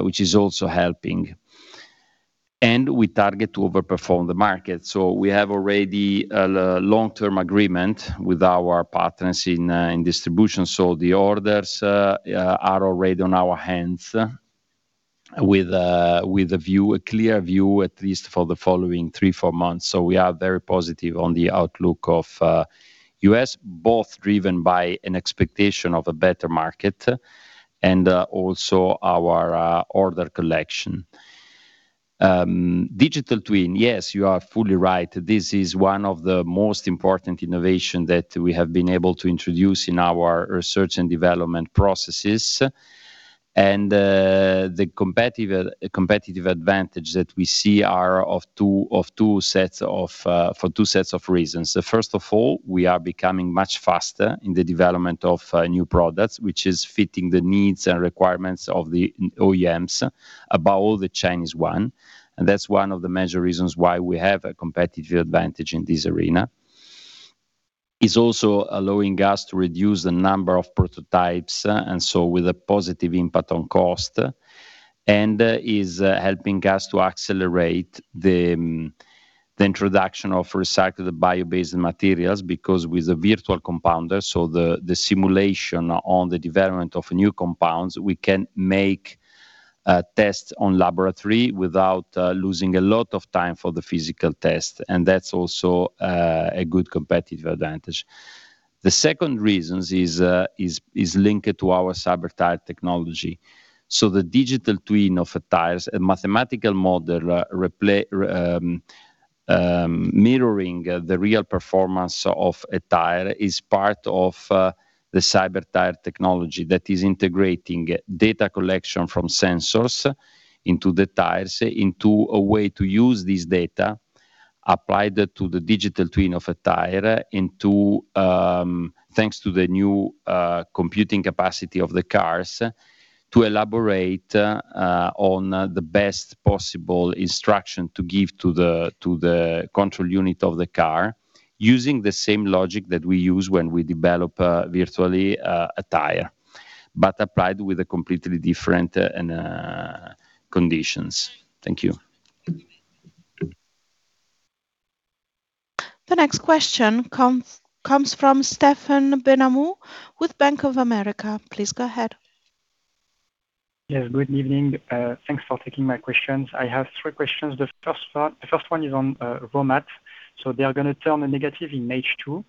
which is also helping. We target to over-perform the market. We have already a long-term agreement with our partners in distribution. The orders are already on our hands with a clear view, at least for the following three, four months. We are very positive on the outlook of U.S., both driven by an expectation of a better market and also our order collection. Digital twin, yes, you are fully right. This is one of the most important innovation that we have been able to introduce in our research and development processes. The competitive advantage that we see are for two sets of reasons. First of all, we are becoming much faster in the development of new products, which is fitting the needs and requirements of the OEMs above all the Chinese one. That's one of the major reasons why we have a competitive advantage in this arena. It's also allowing us to reduce the number of prototypes, with a positive impact on cost. Is helping us to accelerate the introduction of recycled bio-based materials, because with the Virtual Compounder, the simulation on the development of new compounds, we can make tests on laboratory without losing a lot of time for the physical test. That's also a good competitive advantage. The second reasons is linked to our Cyber Tyre technology. The digital twin of a tire's a mathematical model mirroring the real performance of a tire is part of the Cyber Tyre technology that is integrating data collection from sensors into the tires, into a way to use this data, apply that to the digital twin of a tire, thanks to the new computing capacity of the cars, to elaborate on the best possible instruction to give to the control unit of the car using the same logic that we use when we develop virtually a tire, but applied with a completely different conditions. Thank you. The next question comes from Stephen Benhamou with Bank of America. Please go ahead. Yes, good evening. Thanks for taking my questions. I have three questions. The first one is on raw mat. They are going to turn a negative in H2.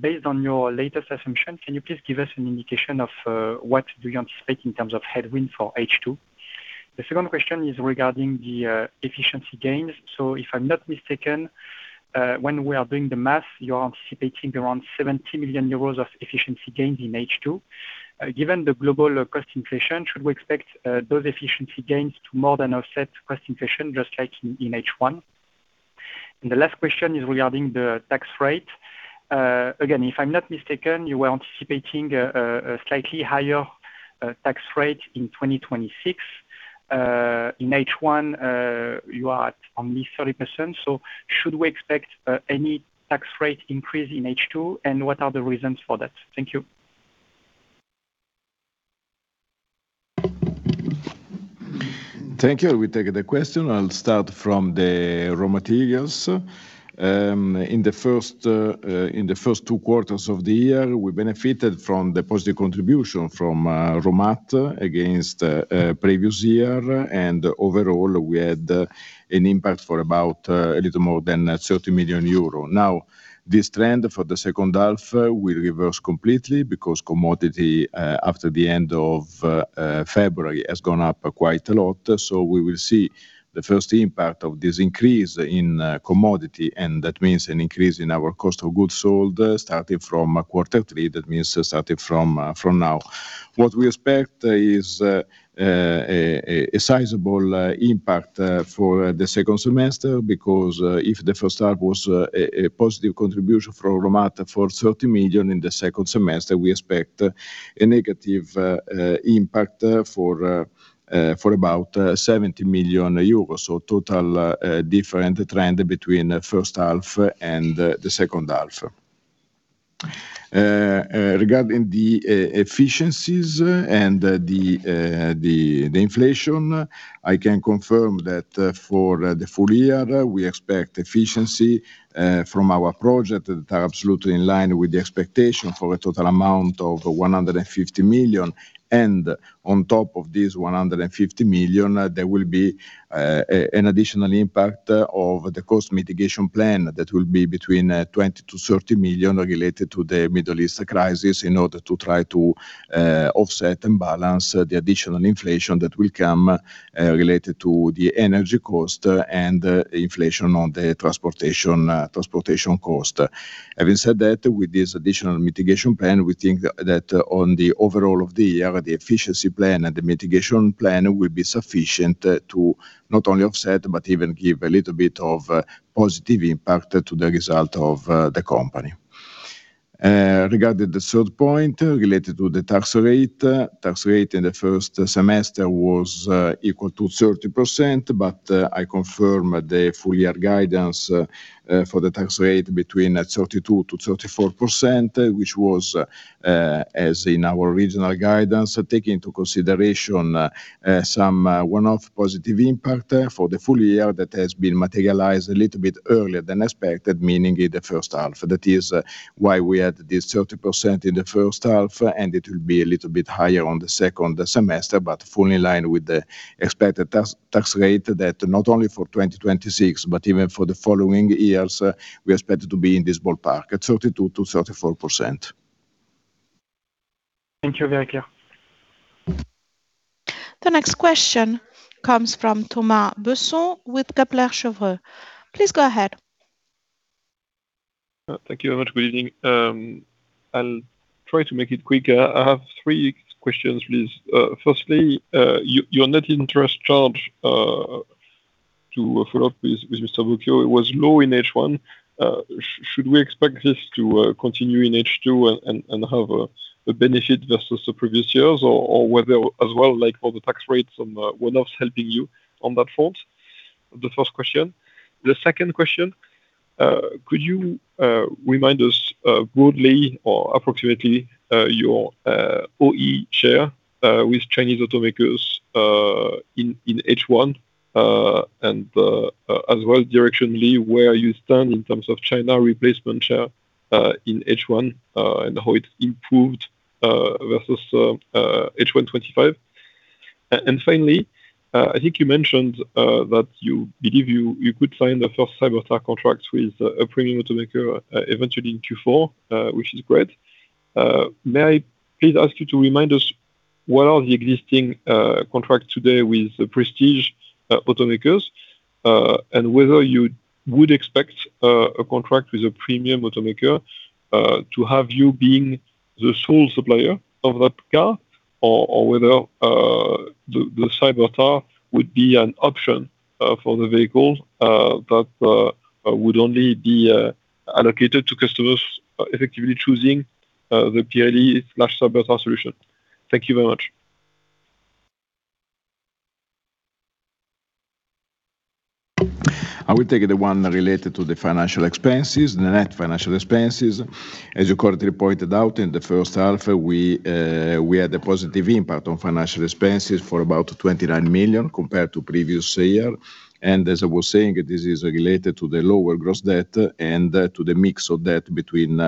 Based on your latest assumption, can you please give us an indication of what do you anticipate in terms of headwind for H2? The second question is regarding the efficiency gains. If I'm not mistaken, when we are doing the math, you are anticipating around 70 million euros of efficiency gains in H2. Given the global cost inflation, should we expect those efficiency gains to more than offset cost inflation, just like in H1? The last question is regarding the tax rate. Again, if I'm not mistaken, you were anticipating a slightly higher tax rate in 2026. In H1, you are at only 30%. Should we expect any tax rate increase in H2? What are the reasons for that? Thank you. Thank you. We take the question. I'll start from the raw materials. In the first two quarters of the year, we benefited from the positive contribution from raw materials against previous year. Overall, we had an impact for about a little more than 30 million euro. This trend for the second half will reverse completely because commodity, after the end of February, has gone up quite a lot. We will see the first impact of this increase in commodity, and that means an increase in our cost of goods sold starting from quarter three. That means starting from now. What we expect is a sizable impact for the second semester because if the first half was a positive contribution from raw materials for 30 million, in the second semester, we expect a negative impact for about 70 million euros. Total different trend between first half and the second half. Regarding the efficiencies and the inflation, I can confirm that for the full year, we expect efficiency from our project that are absolutely in line with the expectation for a total amount of 150 million. On top of this 150 million, there will be an additional impact of the cost mitigation plan that will be between 20 million-30 million related to the Middle East crisis in order to try to offset and balance the additional inflation that will come related to the energy cost and inflation on the transportation cost. Having said that, with this additional mitigation plan, we think that on the overall of the year, the efficiency plan and the mitigation plan will be sufficient to not only offset, but even give a little bit of positive impact to the result of the company. Regarding the third point related to the tax rate, tax rate in the first semester was equal to 30%. I confirm the full year guidance for the tax rate between 32%-34%, which was as in our regional guidance, take into consideration some one-off positive impact for the full year that has been materialized a little bit earlier than expected, meaning in the first half. That is why we had this 30% in the first half, and it will be a little bit higher on the second semester, but fully in line with the expected tax rate that not only for 2026, but even for the following years, we expect to be in this ballpark at 32%-34%. Thank you. Very clear. The next question comes from Thomas Besson with Kepler Cheuvreux. Please go ahead. Thank you very much. Good evening. I'll try to make it quicker. I have three questions, please. Firstly, your net interest charge, to follow up with Mr. Bocchio, was low in H1. Should we expect this to continue in H2 and have a benefit versus the previous years? Or whether as well, like for the tax rates on one-offs helping you on that front? The first question. The second question, could you remind us broadly or approximately your OE share with Chinese automakers in H1, and as well directionally, where you stand in terms of China replacement share in H1, and how it improved versus H1 2025? Finally, I think you mentioned that you believe you could sign the first Cyber Tyre contracts with a premium automaker eventually in Q4, which is great. May I please ask you to remind us what are the existing contracts today with prestige automakers, and whether you would expect a contract with a premium automaker to have you being the sole supplier of that car or whether the Cyber Tyre would be an option for the vehicles that would only be allocated to customers effectively choosing the Pirelli/Cyber Tyre solution. Thank you very much. I will take the one related to the financial expenses, the net financial expenses. As you correctly pointed out, in the first half, we had a positive impact on financial expenses for about 29 million compared to previous year. As I was saying, this is related to the lower gross debt and to the mix of debt between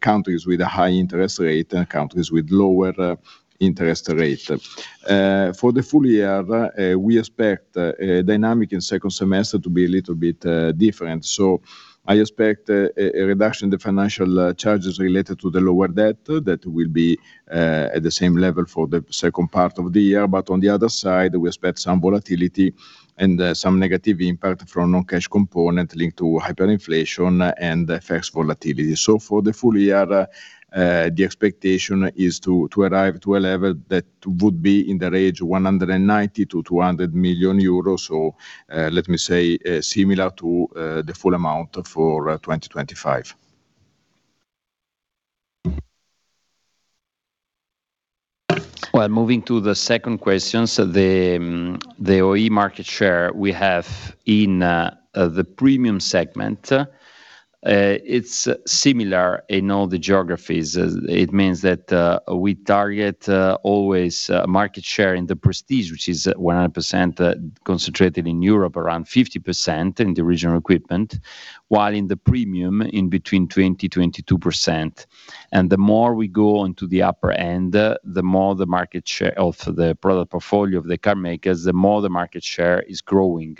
countries with a high interest rate and countries with lower interest rate. For the full year, we expect dynamic in second semester to be a little bit different. I expect a reduction in the financial charges related to the lower debt that will be at the same level for the second part of the year. On the other side, we expect some volatility and some negative impact from non-cash component linked to hyperinflation and FX volatility. For the full year, the expectation is to arrive to a level that would be in the range of 190 million-200 million euros. Let me say, similar to the full amount for 2025. Moving to the second question, the OE market share we have in the premium segment It's similar in all the geographies. It means that we target always market share in the prestige, which is 100% concentrated in Europe, around 50% in the original equipment, while in the premium in between 20%-22%. The more we go onto the upper end, the more the market share of the product portfolio of the car makers, the more the market share is growing.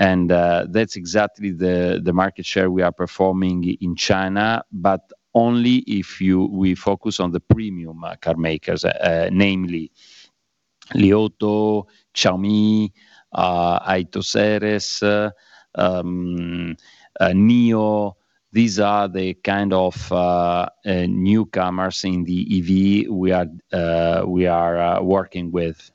That's exactly the market share we are performing in China, but only if we focus on the premium car makers, namely Li Auto, Xiaomi, Seres, Nio. These are the kind of newcomers in the EV we are working with.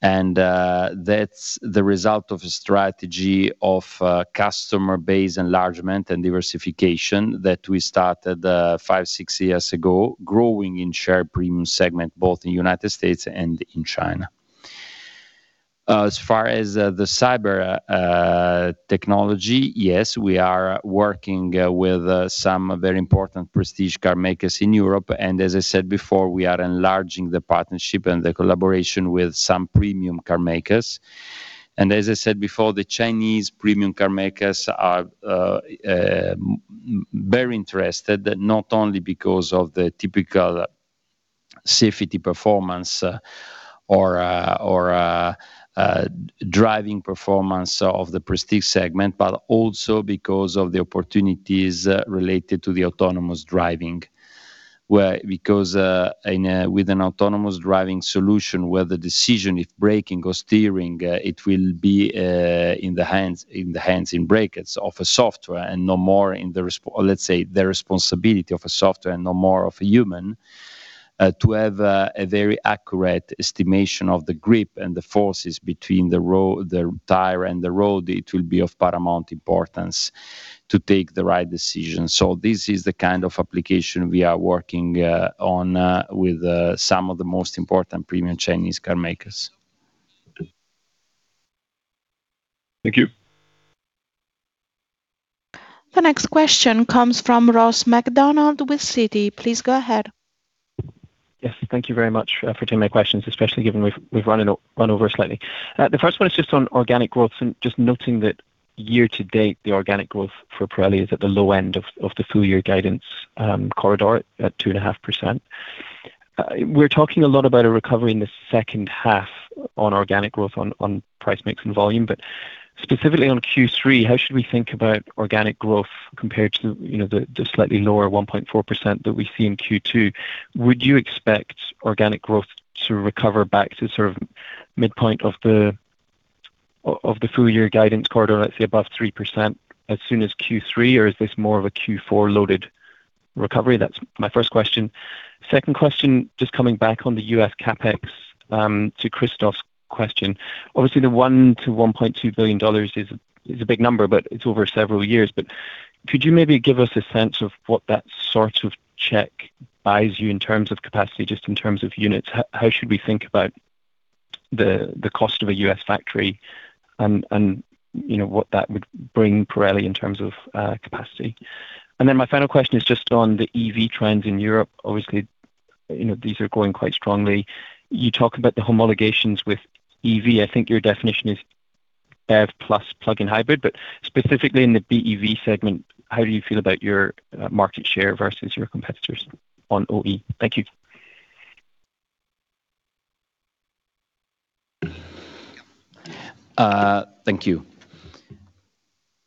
That's the result of a strategy of customer base enlargement and diversification that we started five, six years ago, growing in share premium segment both in United States and in China. As far as the Cyber Tyre, yes, we are working with some very important prestige car makers in Europe. As I said before, we are enlarging the partnership and the collaboration with some premium car makers. As I said before, the Chinese premium car makers are very interested, not only because of the typical safety performance or driving performance of the prestige segment, but also because of the opportunities related to the autonomous driving. With an autonomous driving solution, where the decision, if braking or steering, it will be in the hands, in brackets, of a software and no more let's say, the responsibility of a software and no more of a human, to have a very accurate estimation of the grip and the forces between the tire and the road, it will be of paramount importance to take the right decision. This is the kind of application we are working on with some of the most important premium Chinese car makers. Thank you. The next question comes from Ross MacDonald with Citi. Please go ahead. Yes. Thank you very much for taking my questions, especially given we have run over slightly. The first one is just on organic growth and just noting that year-to-date, the organic growth for Pirelli is at the low end of the full year guidance corridor at 2.5%. We are talking a lot about a recovery in the second half on organic growth on price mix and volume. Specifically on Q3, how should we think about organic growth compared to the slightly lower 1.4% that we see in Q2? Would you expect organic growth to recover back to sort of midpoint of the full year guidance corridor, let's say above 3% as soon as Q3? Is this more of a Q4 loaded recovery? That's my first question. Second question, just coming back on the U.S. CapEx, to Christoph's question. The $1 billion to $1.2 billion is a big number, but it's over several years. Could you maybe give us a sense of what that sort of check buys you in terms of capacity, just in terms of units? How should we think about the cost of a U.S. factory and what that would bring Pirelli in terms of capacity? My final question is just on the EV trends in Europe. These are growing quite strongly. You talk about the homologations with EV. I think your definition is EV plus plug-in hybrid. Specifically in the BEV segment, how do you feel about your market share versus your competitors on OE? Thank you. Thank you.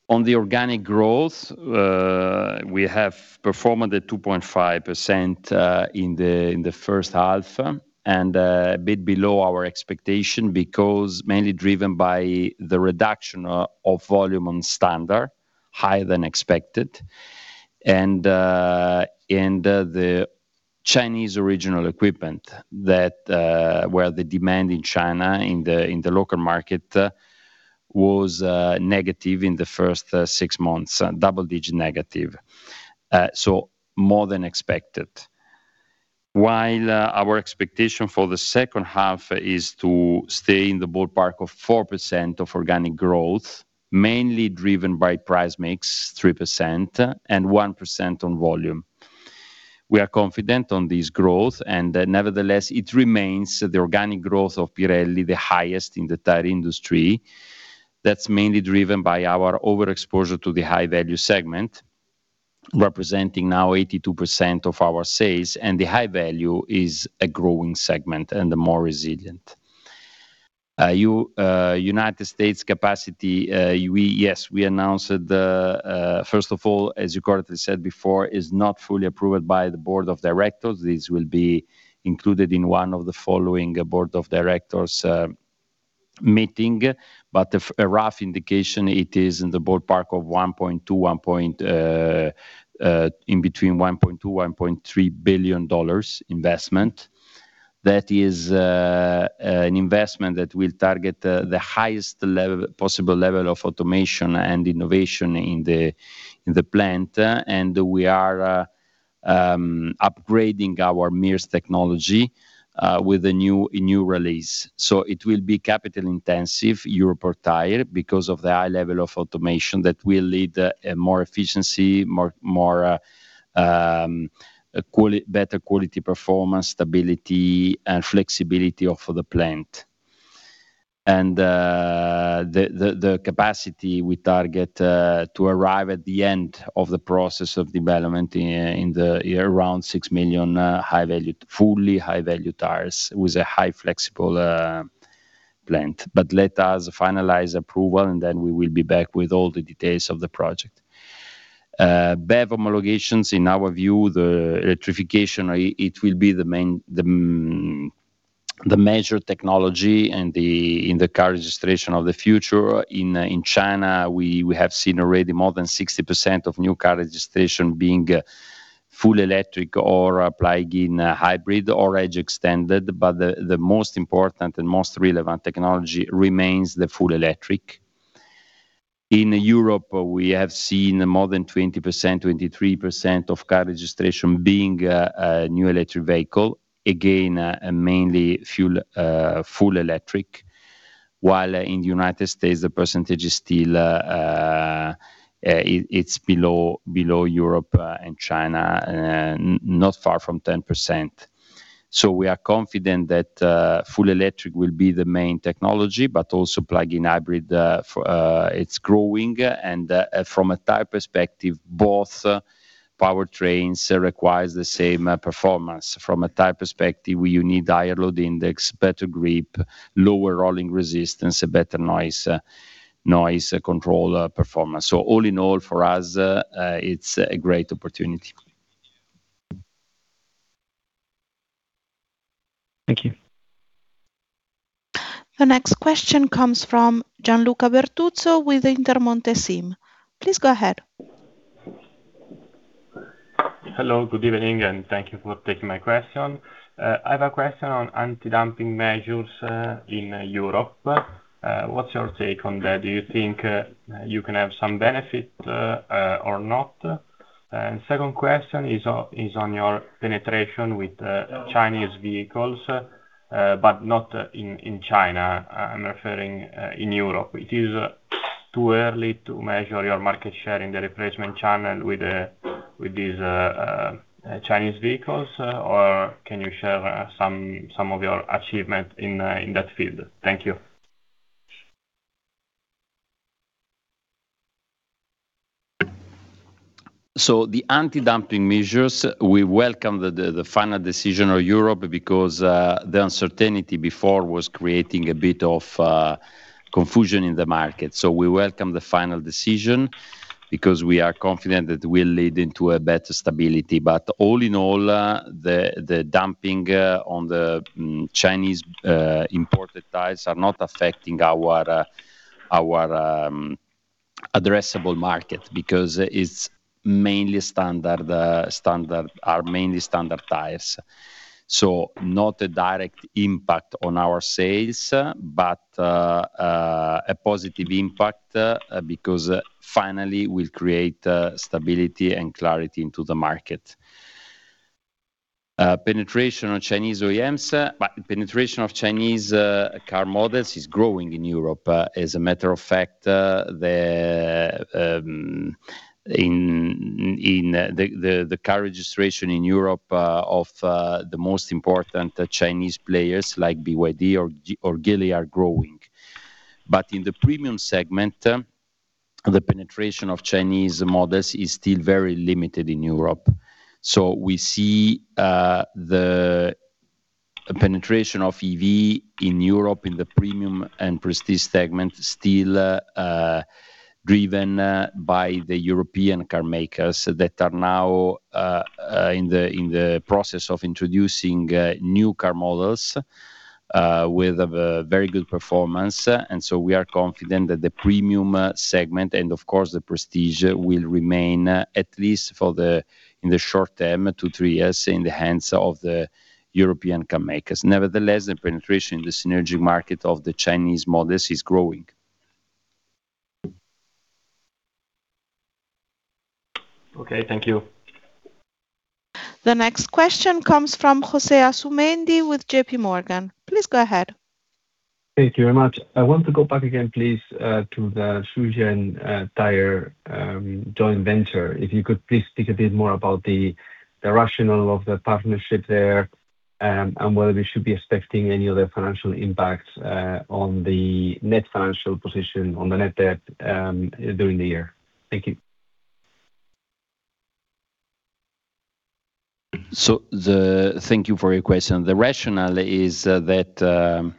On the organic growth, we have performed at 2.5% in the first half and a bit below our expectation because mainly driven by the reduction of volume on standard, higher than expected. The Chinese original equipment where the demand in China, in the local market, was negative in the first six months, double-digit negative. More than expected. Our expectation for the second half is to stay in the ballpark of 4% of organic growth, mainly driven by price mix, 3%, and 1% on volume. We are confident on this growth. Nevertheless, it remains the organic growth of Pirelli, the highest in the tire industry. That's mainly driven by our overexposure to the high-value segment, representing now 82% of our sales. The high value is a growing segment and more resilient. U.S. capacity, yes, we announced it. First of all, as you correctly said before, it is not fully approved by the board of directors. This will be included in one of the following board of directors meeting. A rough indication, it is in the ballpark of in between $1.2 billion-$1.3 billion investment. That is an investment that will target the highest possible level of automation and innovation in the plant. We are upgrading our MIRS technology with a new release. It will be capital-intensive, Europe tire, because of the high level of automation that will lead more efficiency, better quality performance, stability, and flexibility of the plant. The capacity we target to arrive at the end of the process of development in the year around six million fully high-value tires with a high flexible plant. Let us finalize approval, then we will be back with all the details of the project. BEV homologations, in our view, the electrification, it will be the major technology in the car registration of the future. In China, we have seen already more than 60% of new car registration being fully electric or plug-in hybrid or range extended. The most important and most relevant technology remains the full electric. In Europe, we have seen more than 20%, 23% of car registration being a new electric vehicle. Again, mainly full electric. While in the U.S., the percentage, it's below Europe and China, not far from 10%. We are confident that full electric will be the main technology, but also plug-in hybrid, it's growing. From a tire perspective, both powertrains requires the same performance. From a tire perspective, you need higher load index, better grip, lower rolling resistance, a better noise control performance. All in all, for us, it's a great opportunity. Thank you. The next question comes from Gianluca Bertuzzo with Intermonte SIM. Please go ahead. Hello, good evening, and thank you for taking my question. I have a question on anti-dumping measures in Europe. What's your take on that? Do you think you can have some benefit or not? Second question is on your penetration with Chinese vehicles, but not in China. I'm referring in Europe. It is too early to measure your market share in the replacement channel with these Chinese vehicles, or can you share some of your achievement in that field? Thank you. The anti-dumping measures, we welcome the final decision of Europe because the uncertainty before was creating a bit of confusion in the market. We welcome the final decision because we are confident that it will lead into a better stability. All in all, the dumping on the Chinese imported tires are not affecting our addressable market because it's our mainly standard tires. Not a direct impact on our sales, but a positive impact because finally, we'll create stability and clarity into the market. Penetration of Chinese car models is growing in Europe. As a matter of fact, the car registration in Europe of the most important Chinese players like BYD or Geely are growing. In the premium segment, the penetration of Chinese models is still very limited in Europe. We see the penetration of EV in Europe in the premium and prestige segment still driven by the European car makers that are now in the process of introducing new car models with a very good performance. We are confident that the premium segment, and of course the prestige, will remain at least in the short term, two, three years, in the hands of the European car makers. Nevertheless, the penetration in the emerging market of the Chinese models is growing. Okay, thank you. The next question comes from Jose Asumendi with JPMorgan. Please go ahead. Thank you very much. I want to go back again, please, to the Xushen Tyre joint venture. If you could please speak a bit more about the rationale of the partnership there, and whether we should be expecting any other financial impacts on the net financial position on the net debt during the year. Thank you. Thank you for your question. The rationale is that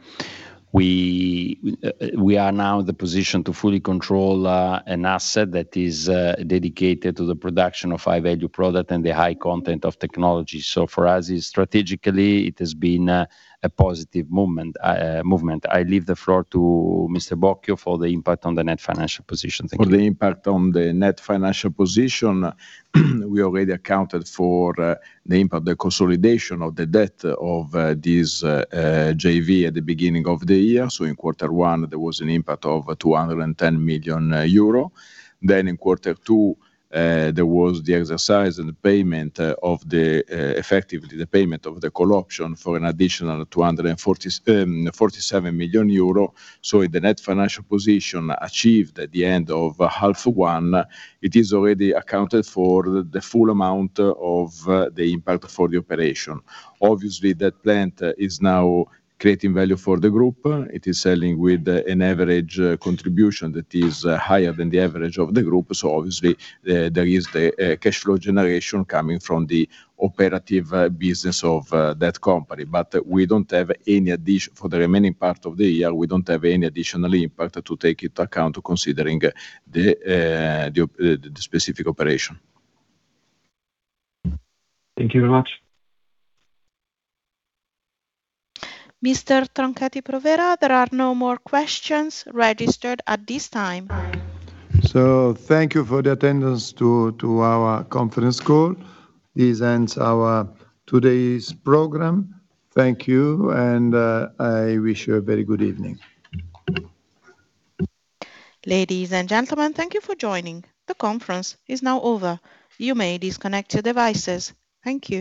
we are now in the position to fully control an asset that is dedicated to the production of high-value product and the high content of technology. For us, strategically, it has been a positive movement. I leave the floor to Mr. Bocchio for the impact on the net financial position. Thank you. For the impact on the net financial position, we already accounted for the impact, the consolidation of the debt of this JV at the beginning of the year. In quarter one, there was an impact of 210 million euro. In quarter two, there was the exercise and effectively the payment of the call option for an additional 247 million euro. In the net financial position achieved at the end of half one, it is already accounted for the full amount of the impact for the operation. Obviously, that plant is now creating value for the group. It is selling with an average contribution that is higher than the average of the group. Obviously, there is the cash flow generation coming from the operative business of that company. For the remaining part of the year, we don't have any additional impact to take into account considering the specific operation. Thank you very much. Mr. Tronchetti Provera, there are no more questions registered at this time. Thank you for the attendance to our conference call. This ends our today's program. Thank you, and I wish you a very good evening. Ladies and gentlemen, thank you for joining. The conference is now over. You may disconnect your devices. Thank you.